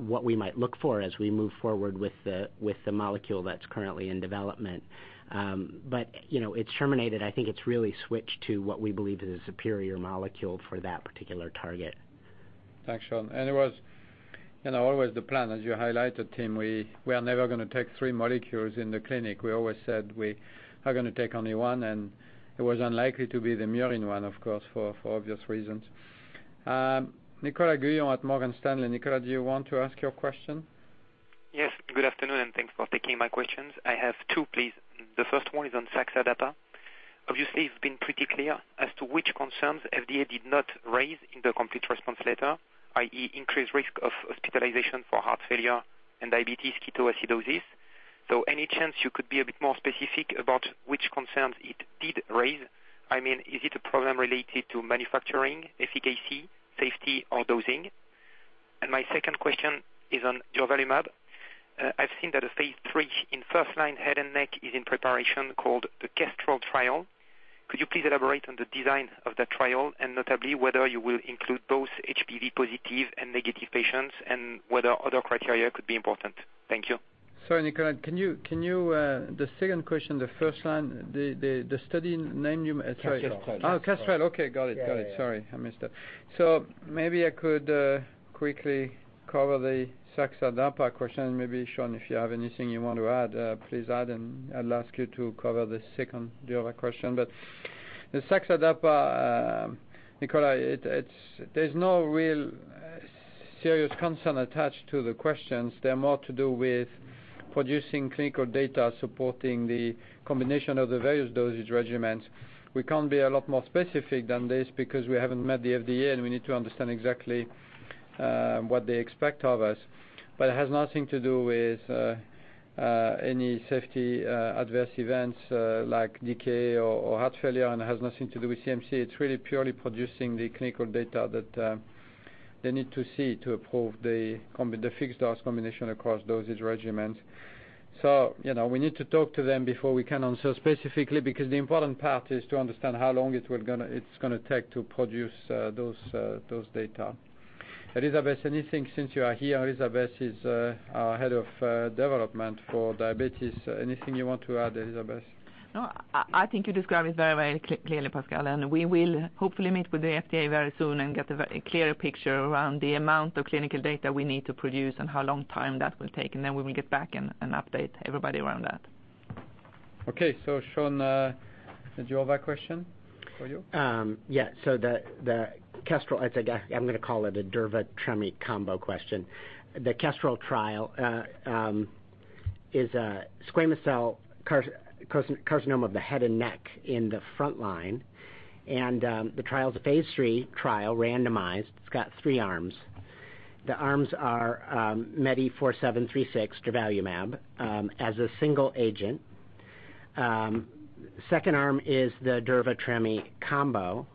we might look for as we move forward with the molecule that's currently in development. It's terminated. I think it's really switched to what we believe is a superior molecule for that particular target. Thanks, Sean. It was always the plan, as you highlighted, Tim, we are never going to take three molecules in the clinic. We always said we are going to take only one, and it was unlikely to be the murine one, of course, for obvious reasons. Nicolas Guyon at Morgan Stanley. Nicolas, do you want to ask your question? Yes. Good afternoon, thanks for taking my questions. I have two, please. The first one is on Saxenda data. Obviously, it's been pretty clear as to which concerns FDA did not raise in the complete response letter, i.e., increased risk of hospitalization for heart failure and diabetes ketoacidosis. Any chance you could be a bit more specific about which concerns it did raise? Is it a problem related to manufacturing, efficacy, safety, or dosing? My second question is on durvalumab. I've seen that a phase III in first-line head and neck is in preparation called the KESTREL trial. Could you please elaborate on the design of that trial, and notably, whether you will include both HPV positive and negative patients and whether other criteria could be important? Thank you. Sorry, Nicolas. The second question, the first line, the study name you Sorry. KESTREL. Oh, KESTREL. Okay, got it. Yeah. Got it. Sorry, I missed that. Maybe I could quickly cover the Saxenda question. Maybe, Sean Bohen, if you have anything you want to add, please add, and I'll ask you to cover the second durva question. The Saxenda, Nicolas, there's no real serious concern attached to the questions. They're more to do with producing clinical data supporting the combination of the various dosage regimens. We can't be a lot more specific than this because we haven't met the FDA, and we need to understand exactly what they expect of us. It has nothing to do with any safety adverse events like DKA or heart failure, and it has nothing to do with CMC. It's really purely producing the clinical data that they need to see to approve the fixed-dose combination across dosage regimens. We need to talk to them before we can answer specifically, because the important part is to understand how long it's going to take to produce those data. Elisabeth Björk, anything since you are here? Elisabeth Björk is our head of development for diabetes. Anything you want to add, Elisabeth Björk? No, I think you described it very well, clearly, Pascal Soriot. We will hopefully meet with the FDA very soon and get a clearer picture around the amount of clinical data we need to produce and how long time that will take. We will get back and update everybody around that. Okay. Sean, the durva question for you. Yeah. The KESTREL, I'm going to call it a durva-tremi combo question. The KESTREL trial is a squamous cell carcinoma of the head and neck in the front line, the trial is a phase III trial, randomized. It's got three arms. The arms are MEDI4736, durvalumab, as a single agent. Second arm is the durva-tremi combo.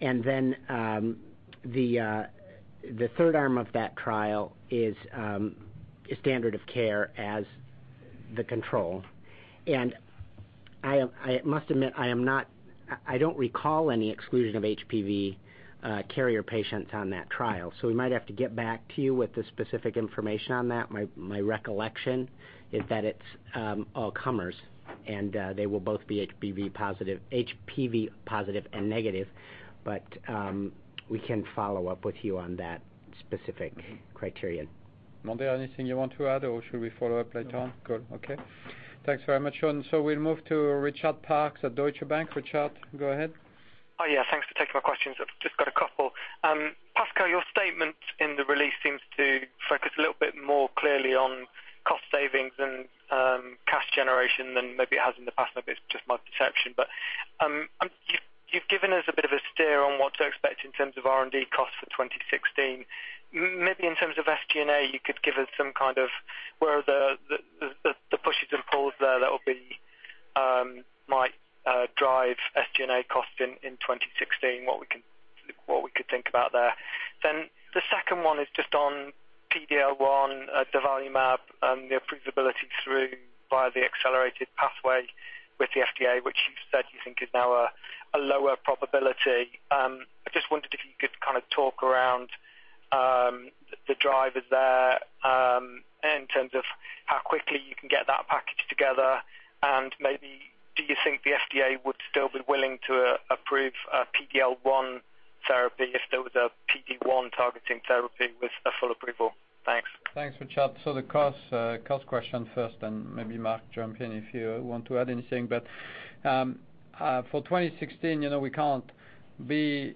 The third arm of that trial is standard of care as the control. I must admit, I don't recall any exclusion of HPV carrier patients on that trial. We might have to get back to you with the specific information on that. My recollection is that it's all comers, and they will both be HPV positive and negative, but we can follow up with you on that specific criterion. Monde, anything you want to add or should we follow up later on? No. Good. Okay. Thanks very much, Sean. We'll move to Richard Parkes at Deutsche Bank. Richard, go ahead. Yeah. Thanks for taking my questions. I've just got a couple. Pascal, your statement in the release seems to focus a little bit more clearly on cost savings and cash generation than maybe it has in the past. Maybe it's just my perception. You've given us a bit of a steer on what to expect in terms of R&D costs for 2016. Maybe in terms of SG&A, you could give us some kind of where the pushes and pulls there that might drive SG&A costs in 2016, what we could think about there. The second one is just on PD-L1, durvalumab, and the approvability through via the accelerated pathway with the FDA, which you've said you think is now a lower probability. I just wondered if you could kind of talk around the drivers there in terms of how quickly you can get that package together and maybe do you think the FDA would still be willing to approve a PD-L1 therapy if there was a PD-1 targeting therapy with a full approval? Thanks. Thanks, Richard. The cost question first, maybe Marc, jump in if you want to add anything. For 2016, we can't be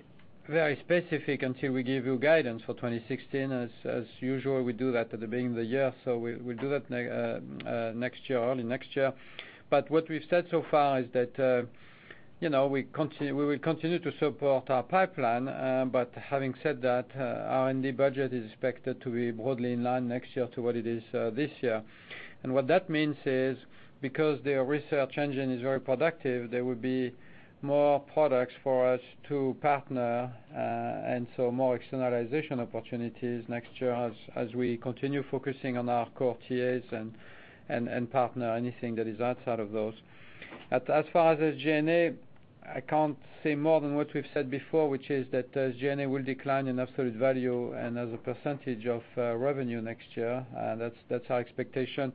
very specific until we give you guidance for 2016. As usual, we do that at the beginning of the year. We'll do that early next year. What we've said so far is that we will continue to support our pipeline. Having said that, our R&D budget is expected to be broadly in line next year to what it is this year. What that means is, because the research engine is very productive, there will be more products for us to partner, and more externalization opportunities next year as we continue focusing on our core TAs and partner anything that is outside of those. As far as SG&A, I can't say more than what we've said before, which is that SG&A will decline in absolute value and as a percentage of revenue next year. That's our expectation.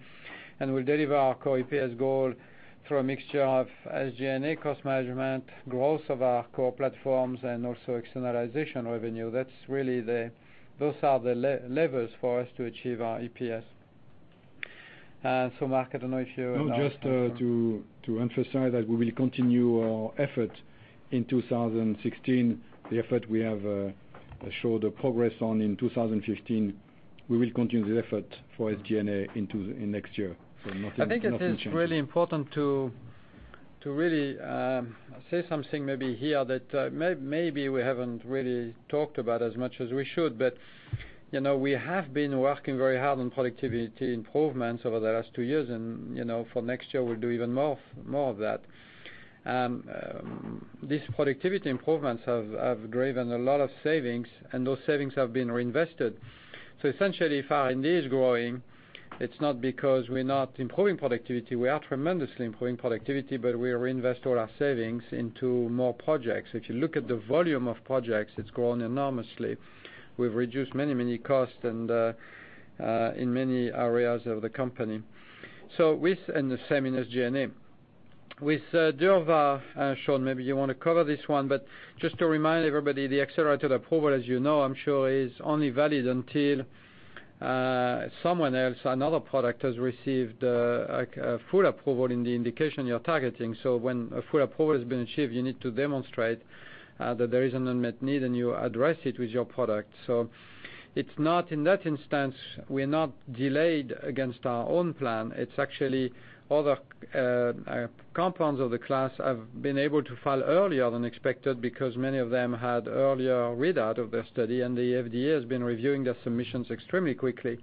We'll deliver our core EPS goal through a mixture of SG&A cost management, growth of our core platforms, and also externalization revenue. Those are the levers for us to achieve our EPS. Marc, I don't know if you- No, just to emphasize that we will continue our effort in 2016, the effort we have showed the progress on in 2015. We will continue the effort for SG&A in next year. Nothing changes. I think it is really important to really say something maybe here that maybe we haven't really talked about as much as we should, but we have been working very hard on productivity improvements over the last two years, and for next year, we'll do even more of that. These productivity improvements have driven a lot of savings, and those savings have been reinvested. Essentially, if R&D is growing, it's not because we're not improving productivity. We are tremendously improving productivity, but we reinvest all our savings into more projects. If you look at the volume of projects, it's grown enormously. We've reduced many costs and in many areas of the company. The same in SG&A. With Durva, Sean, maybe you want to cover this one, but just to remind everybody, the accelerated approval, as you know, I'm sure, is only valid until someone else, another product has received a full approval in the indication you're targeting. When a full approval has been achieved, you need to demonstrate that there is an unmet need, and you address it with your product. In that instance, we're not delayed against our own plan. It's actually other compounds of the class have been able to file earlier than expected because many of them had earlier readout of their study, and the FDA has been reviewing their submissions extremely quickly.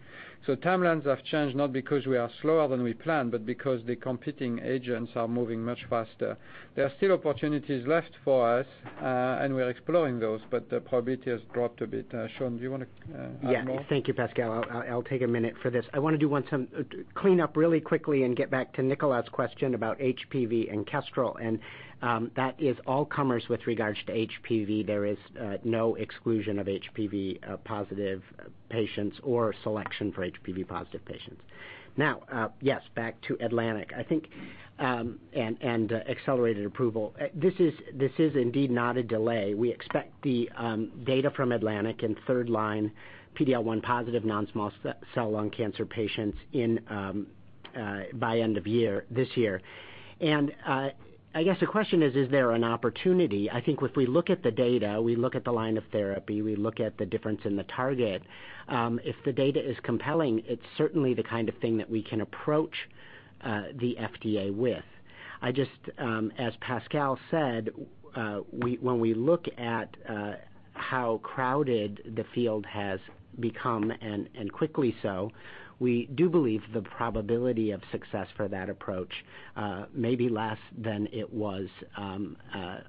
Timelines have changed, not because we are slower than we planned, but because the competing agents are moving much faster. There are still opportunities left for us, and we're exploring those, but the probability has dropped a bit. Sean, do you want to add more? Yes. Thank you, Pascal. I'll take a minute for this. I want to do one clean up really quickly and get back to Nicolas's question about HPV and KESTREL. That is all comers with regards to HPV. There is no exclusion of HPV-positive patients or selection for HPV-positive patients. Yes, back to ATLANTIC and accelerated approval. This is indeed not a delay. We expect the data from ATLANTIC in third-line PD-L1 positive non-small cell lung cancer patients by end of this year. I guess the question is: Is there an opportunity? I think if we look at the data, we look at the line of therapy, we look at the difference in the target. If the data is compelling, it's certainly the kind of thing that we can approach the FDA with. As Pascal said, when we look at how crowded the field has become, and quickly so, we do believe the probability of success for that approach may be less than it was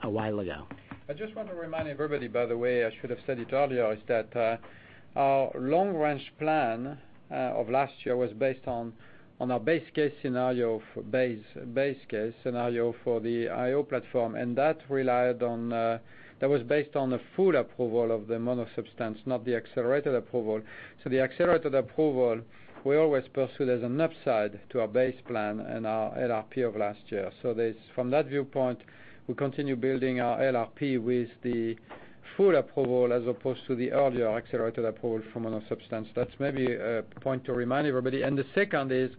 a while ago. I just want to remind everybody, by the way, I should have said it earlier, is that our long-range plan of last year was based on our base case scenario for the IO platform. That was based on a full approval of the mono substance, not the accelerated approval. The accelerated approval, we always pursue as an upside to our base plan and our LRP of last year. From that viewpoint, we continue building our LRP with the full approval as opposed to the earlier accelerated approval from a mono substance. That's maybe a point to remind everybody. The second is,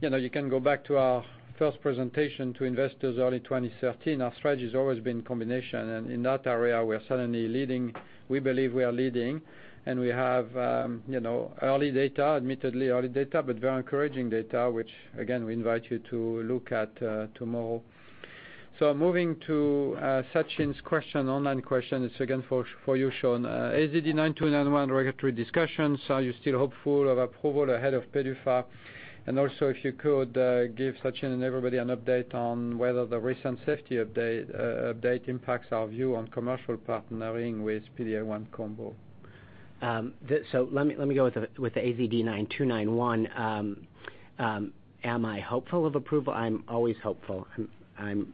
you can go back to our first presentation to investors early 2013. Our strategy has always been combination, and in that area, we believe we are leading, and we have early data, admittedly early data, but very encouraging data, which again, we invite you to look at tomorrow. Moving to Sachin's online question. It's again for you, Sean. AZD9291 regulatory discussions, are you still hopeful of approval ahead of PDUFA? Also, if you could give Sachin and everybody an update on whether the recent safety update impacts our view on commercial partnering with PD-L1 combo. Let me go with the AZD9291. Am I hopeful of approval? I am always hopeful.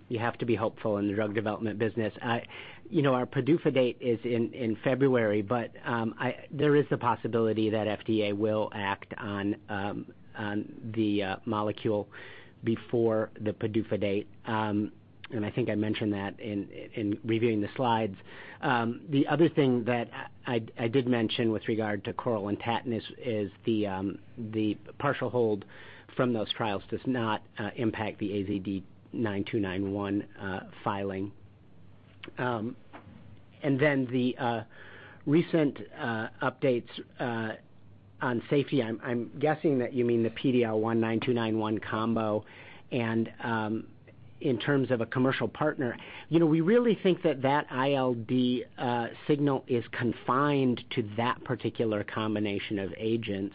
You have to be hopeful in the drug development business. Our PDUFA date is in February. There is the possibility that FDA will act on the molecule before the PDUFA date. I think I mentioned that in reviewing the slides. The other thing that I did mention with regard to CORAL and TATTON is the partial hold from those trials does not impact the AZD9291 filing. The recent updates on safety, I am guessing that you mean the PD-L1/9291 combo. In terms of a commercial partner, we really think that that ILD signal is confined to that particular combination of agents,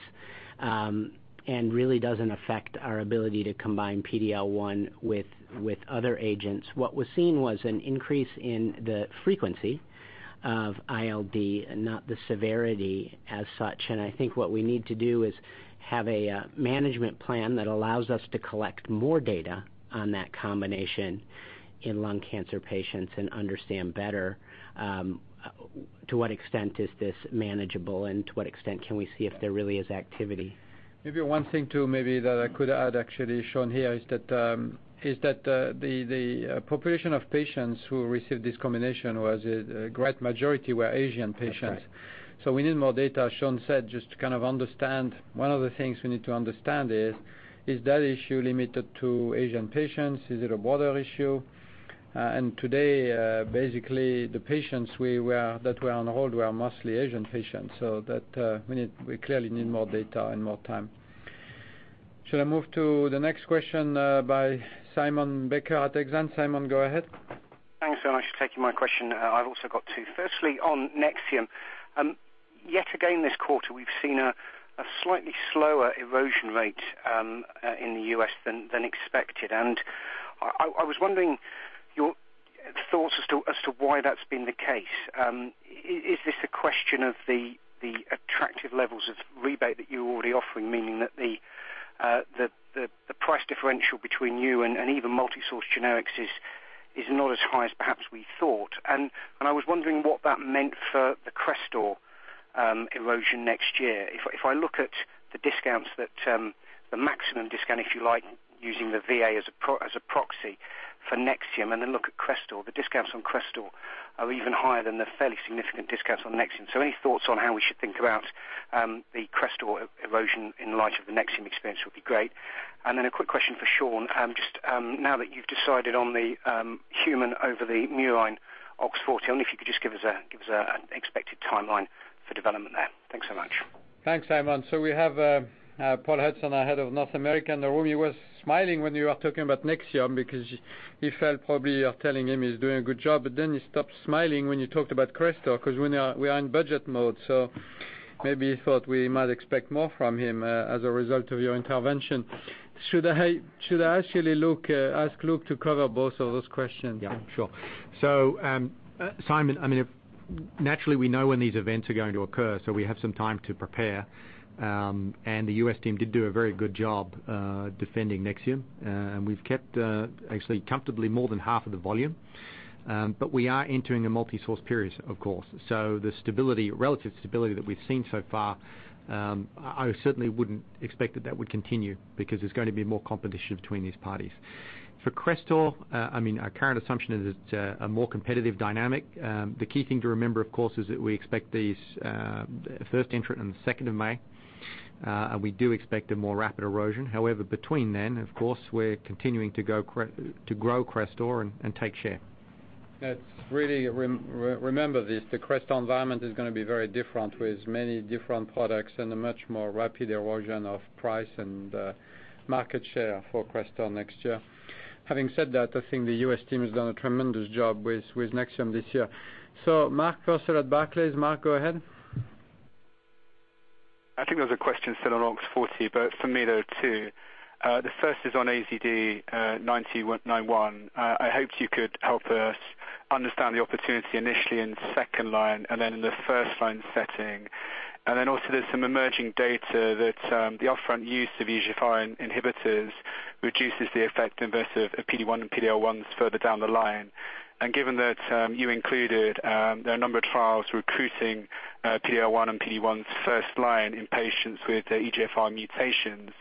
and really doesn't affect our ability to combine PD-L1 with other agents. What was seen was an increase in the frequency of ILD, not the severity as such. I think what we need to do is have a management plan that allows us to collect more data on that combination in lung cancer patients and understand better to what extent is this manageable and to what extent can we see if there really is activity. One thing, too, that I could add actually, Sean, here is that the population of patients who received this combination was a great majority were Asian patients. That's right. We need more data, as Sean said, just to kind of understand. One of the things we need to understand is that issue limited to Asian patients? Is it a broader issue? Today, basically the patients that were on hold were mostly Asian patients. We clearly need more data and more time. Should I move to the next question by Simon Baker at Exane. Simon, go ahead. Thanks so much for taking my question. I've also got two. Firstly, on NEXIUM. Yet again this quarter, we've seen a slightly slower erosion rate in the U.S. than expected, and I was wondering your thoughts as to why that's been the case. Is this a question of the attractive levels of rebate that you're already offering, meaning that the price differential between you and even multi-source generics is not as high as perhaps we thought? I was wondering what that meant for the CRESTOR erosion next year. If I look at the maximum discount, if you like, using the VA as a proxy for NEXIUM, and then look at CRESTOR, the discounts on CRESTOR are even higher than the fairly significant discounts on NEXIUM. Any thoughts on how we should think about the CRESTOR erosion in light of the NEXIUM experience would be great. A quick question for Sean, just now that you've decided on the human over the murine OX40, if you could just give us an expected timeline for development there. Thanks so much. Thanks, Simon. We have Paul Hudson, our Head of North America in the room. He was smiling when you are talking about NEXIUM because he felt probably you are telling him he's doing a good job, but then he stopped smiling when you talked about CRESTOR because we are in budget mode, so maybe he thought we might expect more from him as a result of your intervention. Should I actually ask Luke to cover both of those questions? Yeah, sure. Simon, naturally we know when these events are going to occur, we have some time to prepare. The U.S. team did do a very good job defending NEXIUM. We've kept actually comfortably more than half of the volume. We are entering a multi-source period, of course. The relative stability that we've seen so far, I certainly wouldn't expect that that would continue because there's going to be more competition between these parties. For CRESTOR, our current assumption is it's a more competitive dynamic. The key thing to remember, of course, is that we expect these first entrant on the 2nd of May, and we do expect a more rapid erosion. However, between then, of course, we're continuing to grow CRESTOR and take share. Really remember this, the CRESTOR environment is going to be very different with many different products and a much more rapid erosion of price and market share for CRESTOR next year. Having said that, I think the U.S. team has done a tremendous job with NEXIUM this year. Mark Purcell at Barclays. Mark, go ahead. I think there was a question said on OX40, for me there are two. The first is on AZD9291. I hoped you could help us understand the opportunity initially in the second line and then in the first line setting. Also there's some emerging data that the upfront use of EGFR inhibitors reduces the effectiveness of PD-1 and PD-L1 further down the line. Given that you included a number of trials recruiting PD-L1 and PD-1's first line in patients with EGFR mutations,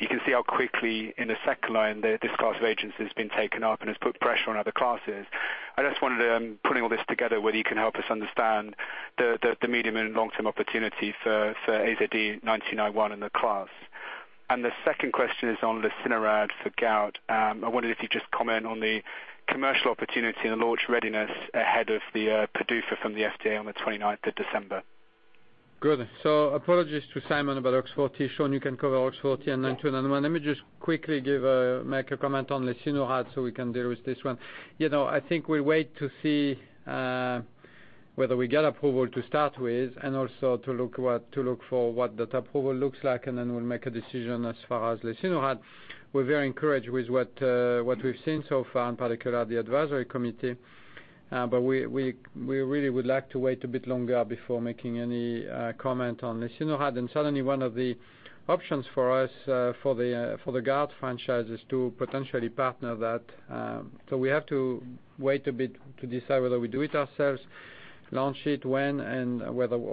you can see how quickly in the second line that this class of agents has been taken up and has put pressure on other classes. I just wondered, putting all this together, whether you can help us understand the medium and long-term opportunity for AZD9291 and the class. The second question is on lesinurad for gout. I wondered if you'd just comment on the commercial opportunity and the launch readiness ahead of the PDUFA from the FDA on the 29th of December. Good. Apologies to Simon about OX40. Sean, you can cover OX40 and 9291. Let me just quickly make a comment on lesinurad so we can deal with this one. I think we wait to see whether we get approval to start with and also to look for what that approval looks like, then we'll make a decision as far as lesinurad. We're very encouraged with what we've seen so far, in particular the advisory committee. We really would like to wait a bit longer before making any comment on lesinurad. Certainly one of the options for us for the gout franchise is to potentially partner that. We have to wait a bit to decide whether we do it ourselves, launch it, when, or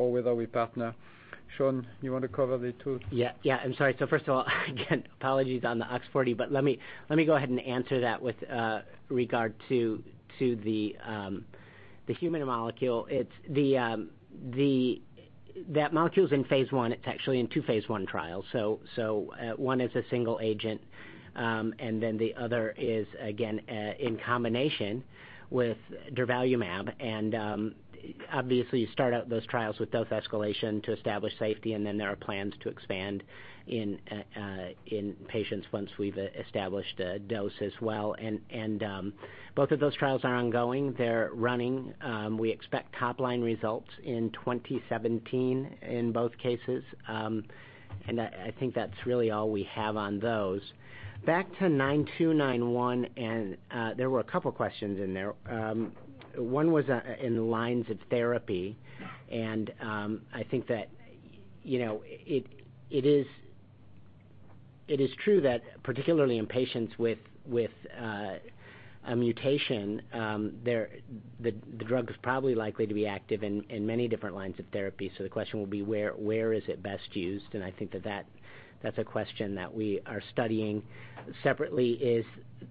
whether we partner. Sean, you want to cover the two? Yeah. I'm sorry. First of all, again, apologies on the OX40, let me go ahead and answer that with regard to the human molecule. That molecule's in phase I. It's actually in two phase I trials. One is a single agent, the other is, again, in combination with durvalumab. Obviously, you start out those trials with dose escalation to establish safety, then there are plans to expand in patients once we've established a dose as well. Both of those trials are ongoing. They're running. We expect top-line results in 2017 in both cases. I think that's really all we have on those. Back to 9291, there were a couple questions in there. One was in lines of therapy, I think that it is true that particularly in patients with a mutation, the drug is probably likely to be active in many different lines of therapy. The question will be where is it best used? I think that that's a question that we are studying separately is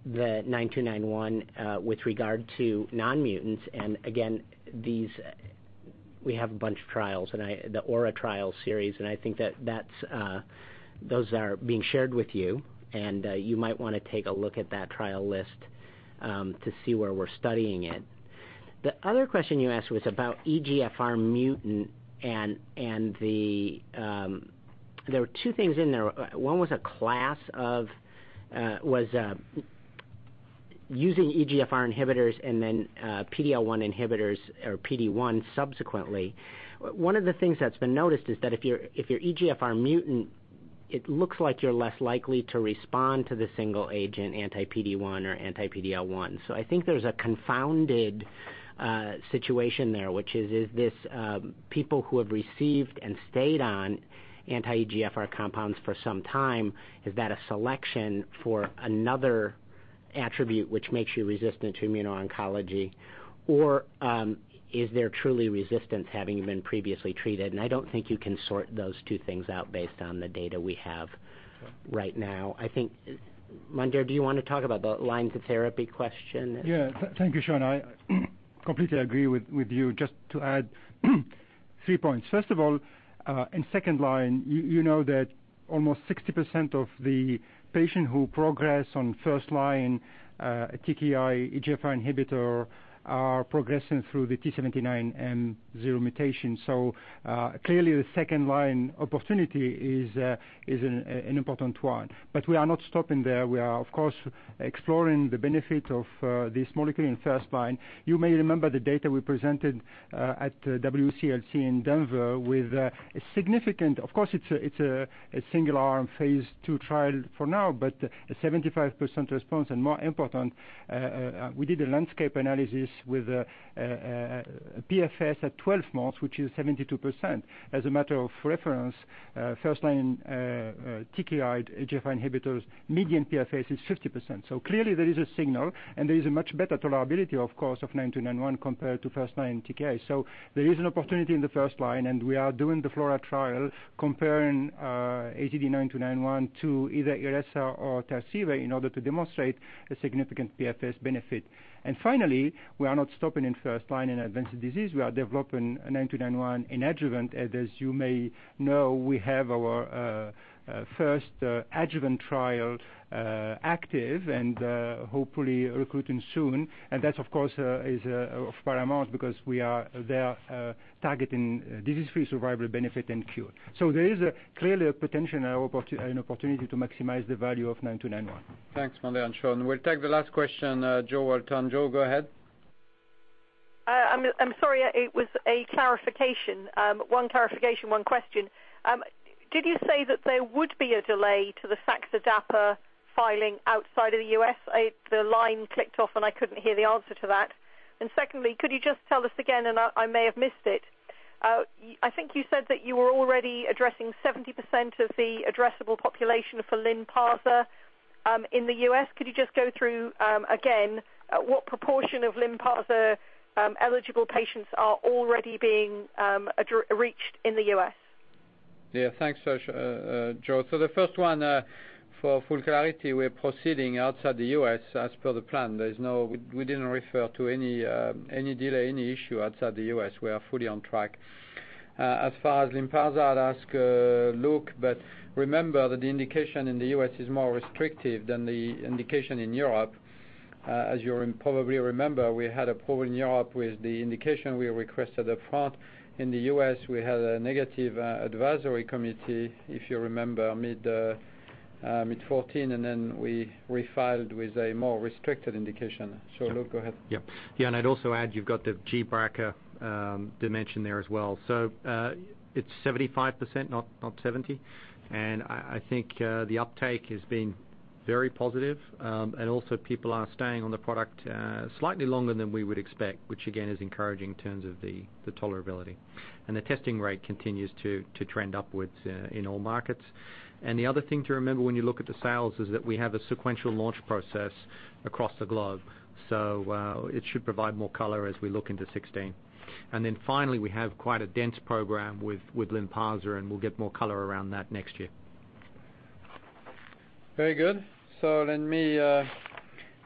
the 9291 with regard to non-mutants. Again, we have a bunch of trials, the AURA trial series, I think that those are being shared with you might want to take a look at that trial list to see where we're studying it. The other question you asked was about EGFR mutant, there were two things in there. One was using EGFR inhibitors then PD-L1 inhibitors or PD-1 subsequently. One of the things that's been noticed is that if you're EGFR mutant, it looks like you're less likely to respond to the single agent anti-PD-1 or anti-PD-L1. I think there's a confounded situation there, which is this people who have received and stayed on anti-EGFR compounds for some time, is that a selection for another attribute which makes you resistant to immuno-oncology? Is there truly resistance having been previously treated? I don't think you can sort those two things out based on the data we have right now. I think, Mondher, do you want to talk about the lines of therapy question? Thank you, Sean. I completely agree with you. Just to add three points. First of all, in second line, you know that almost 60% of the patients who progress on first-line TKI, EGFR inhibitor are progressing through the T790M mutation. Clearly the second line opportunity is an important one. We are not stopping there, we are of course exploring the benefit of this molecule in first line. You may remember the data we presented at WCLC in Denver with a significant, of course, it is a single arm phase II trial for now, but a 75% response. More important, we did a landscape analysis with PFS at 12 months, which is 72%. As a matter of reference, first line TKI EGFR inhibitors median PFS is 50%. Clearly there is a signal, and there is a much better tolerability of course of 9291 compared to first line TKI. There is an opportunity in the first line, and we are doing the FLAURA trial comparing AZD9291 to either IRESSA or Tarceva in order to demonstrate a significant PFS benefit. Finally, we are not stopping in first line in advanced disease. We are developing 9291 in adjuvant. As you may know, we have our first adjuvant trial active and hopefully recruiting soon. That of course is of paramount because we are there targeting disease-free survival benefit and cure. There is clearly a potential and an opportunity to maximize the value of 9291. Thanks, Mondher and Sean. We will take the last question, Jo Walton. Jo, go ahead. I am sorry. It was a clarification. One clarification, one question. Did you say that there would be a delay to the Saxa/dapa filing outside of the U.S.? The line clicked off, and I could not hear the answer to that. Secondly, could you just tell us again, and I may have missed it, I think you said that you were already addressing 70% of the addressable population for LYNPARZA in the U.S. Could you just go through again what proportion of LYNPARZA eligible patients are already being reached in the U.S.? Thanks, Jo. The first one, for full clarity, we're proceeding outside the U.S. as per the plan. We didn't refer to any delay, any issue outside the U.S. We are fully on track. As far as LYNPARZA, I'd ask Luke, but remember that the indication in the U.S. is more restrictive than the indication in Europe. As you probably remember, we had a problem in Europe with the indication we requested up front. In the U.S., we had a negative advisory committee, if you remember, mid 2014, and then we refiled with a more restricted indication. Luke, go ahead. I'd also add, you've got the gBRCA dimension there as well. It's 75%, not 70%. I think the uptake has been very positive. Also people are staying on the product slightly longer than we would expect, which again is encouraging in terms of the tolerability. The testing rate continues to trend upwards in all markets. The other thing to remember when you look at the sales is that we have a sequential launch process across the globe. It should provide more color as we look into 2016. Finally, we have quite a dense program with LYNPARZA, and we'll get more color around that next year. Very good.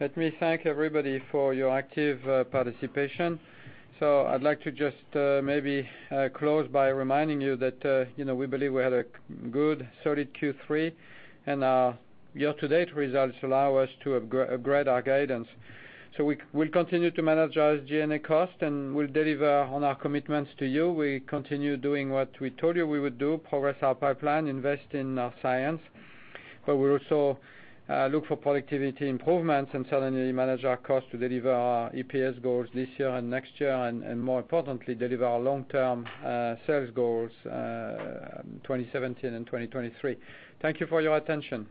Let me thank everybody for your active participation. I'd like to just maybe close by reminding you that we believe we had a good solid Q3, and our year-to-date results allow us to upgrade our guidance. We'll continue to manage our G&A cost, and we'll deliver on our commitments to you. We continue doing what we told you we would do, progress our pipeline, invest in our science, but we'll also look for productivity improvements and certainly manage our cost to deliver our EPS goals this year and next year and more importantly, deliver our long-term sales goals, 2017 and 2023. Thank you for your attention.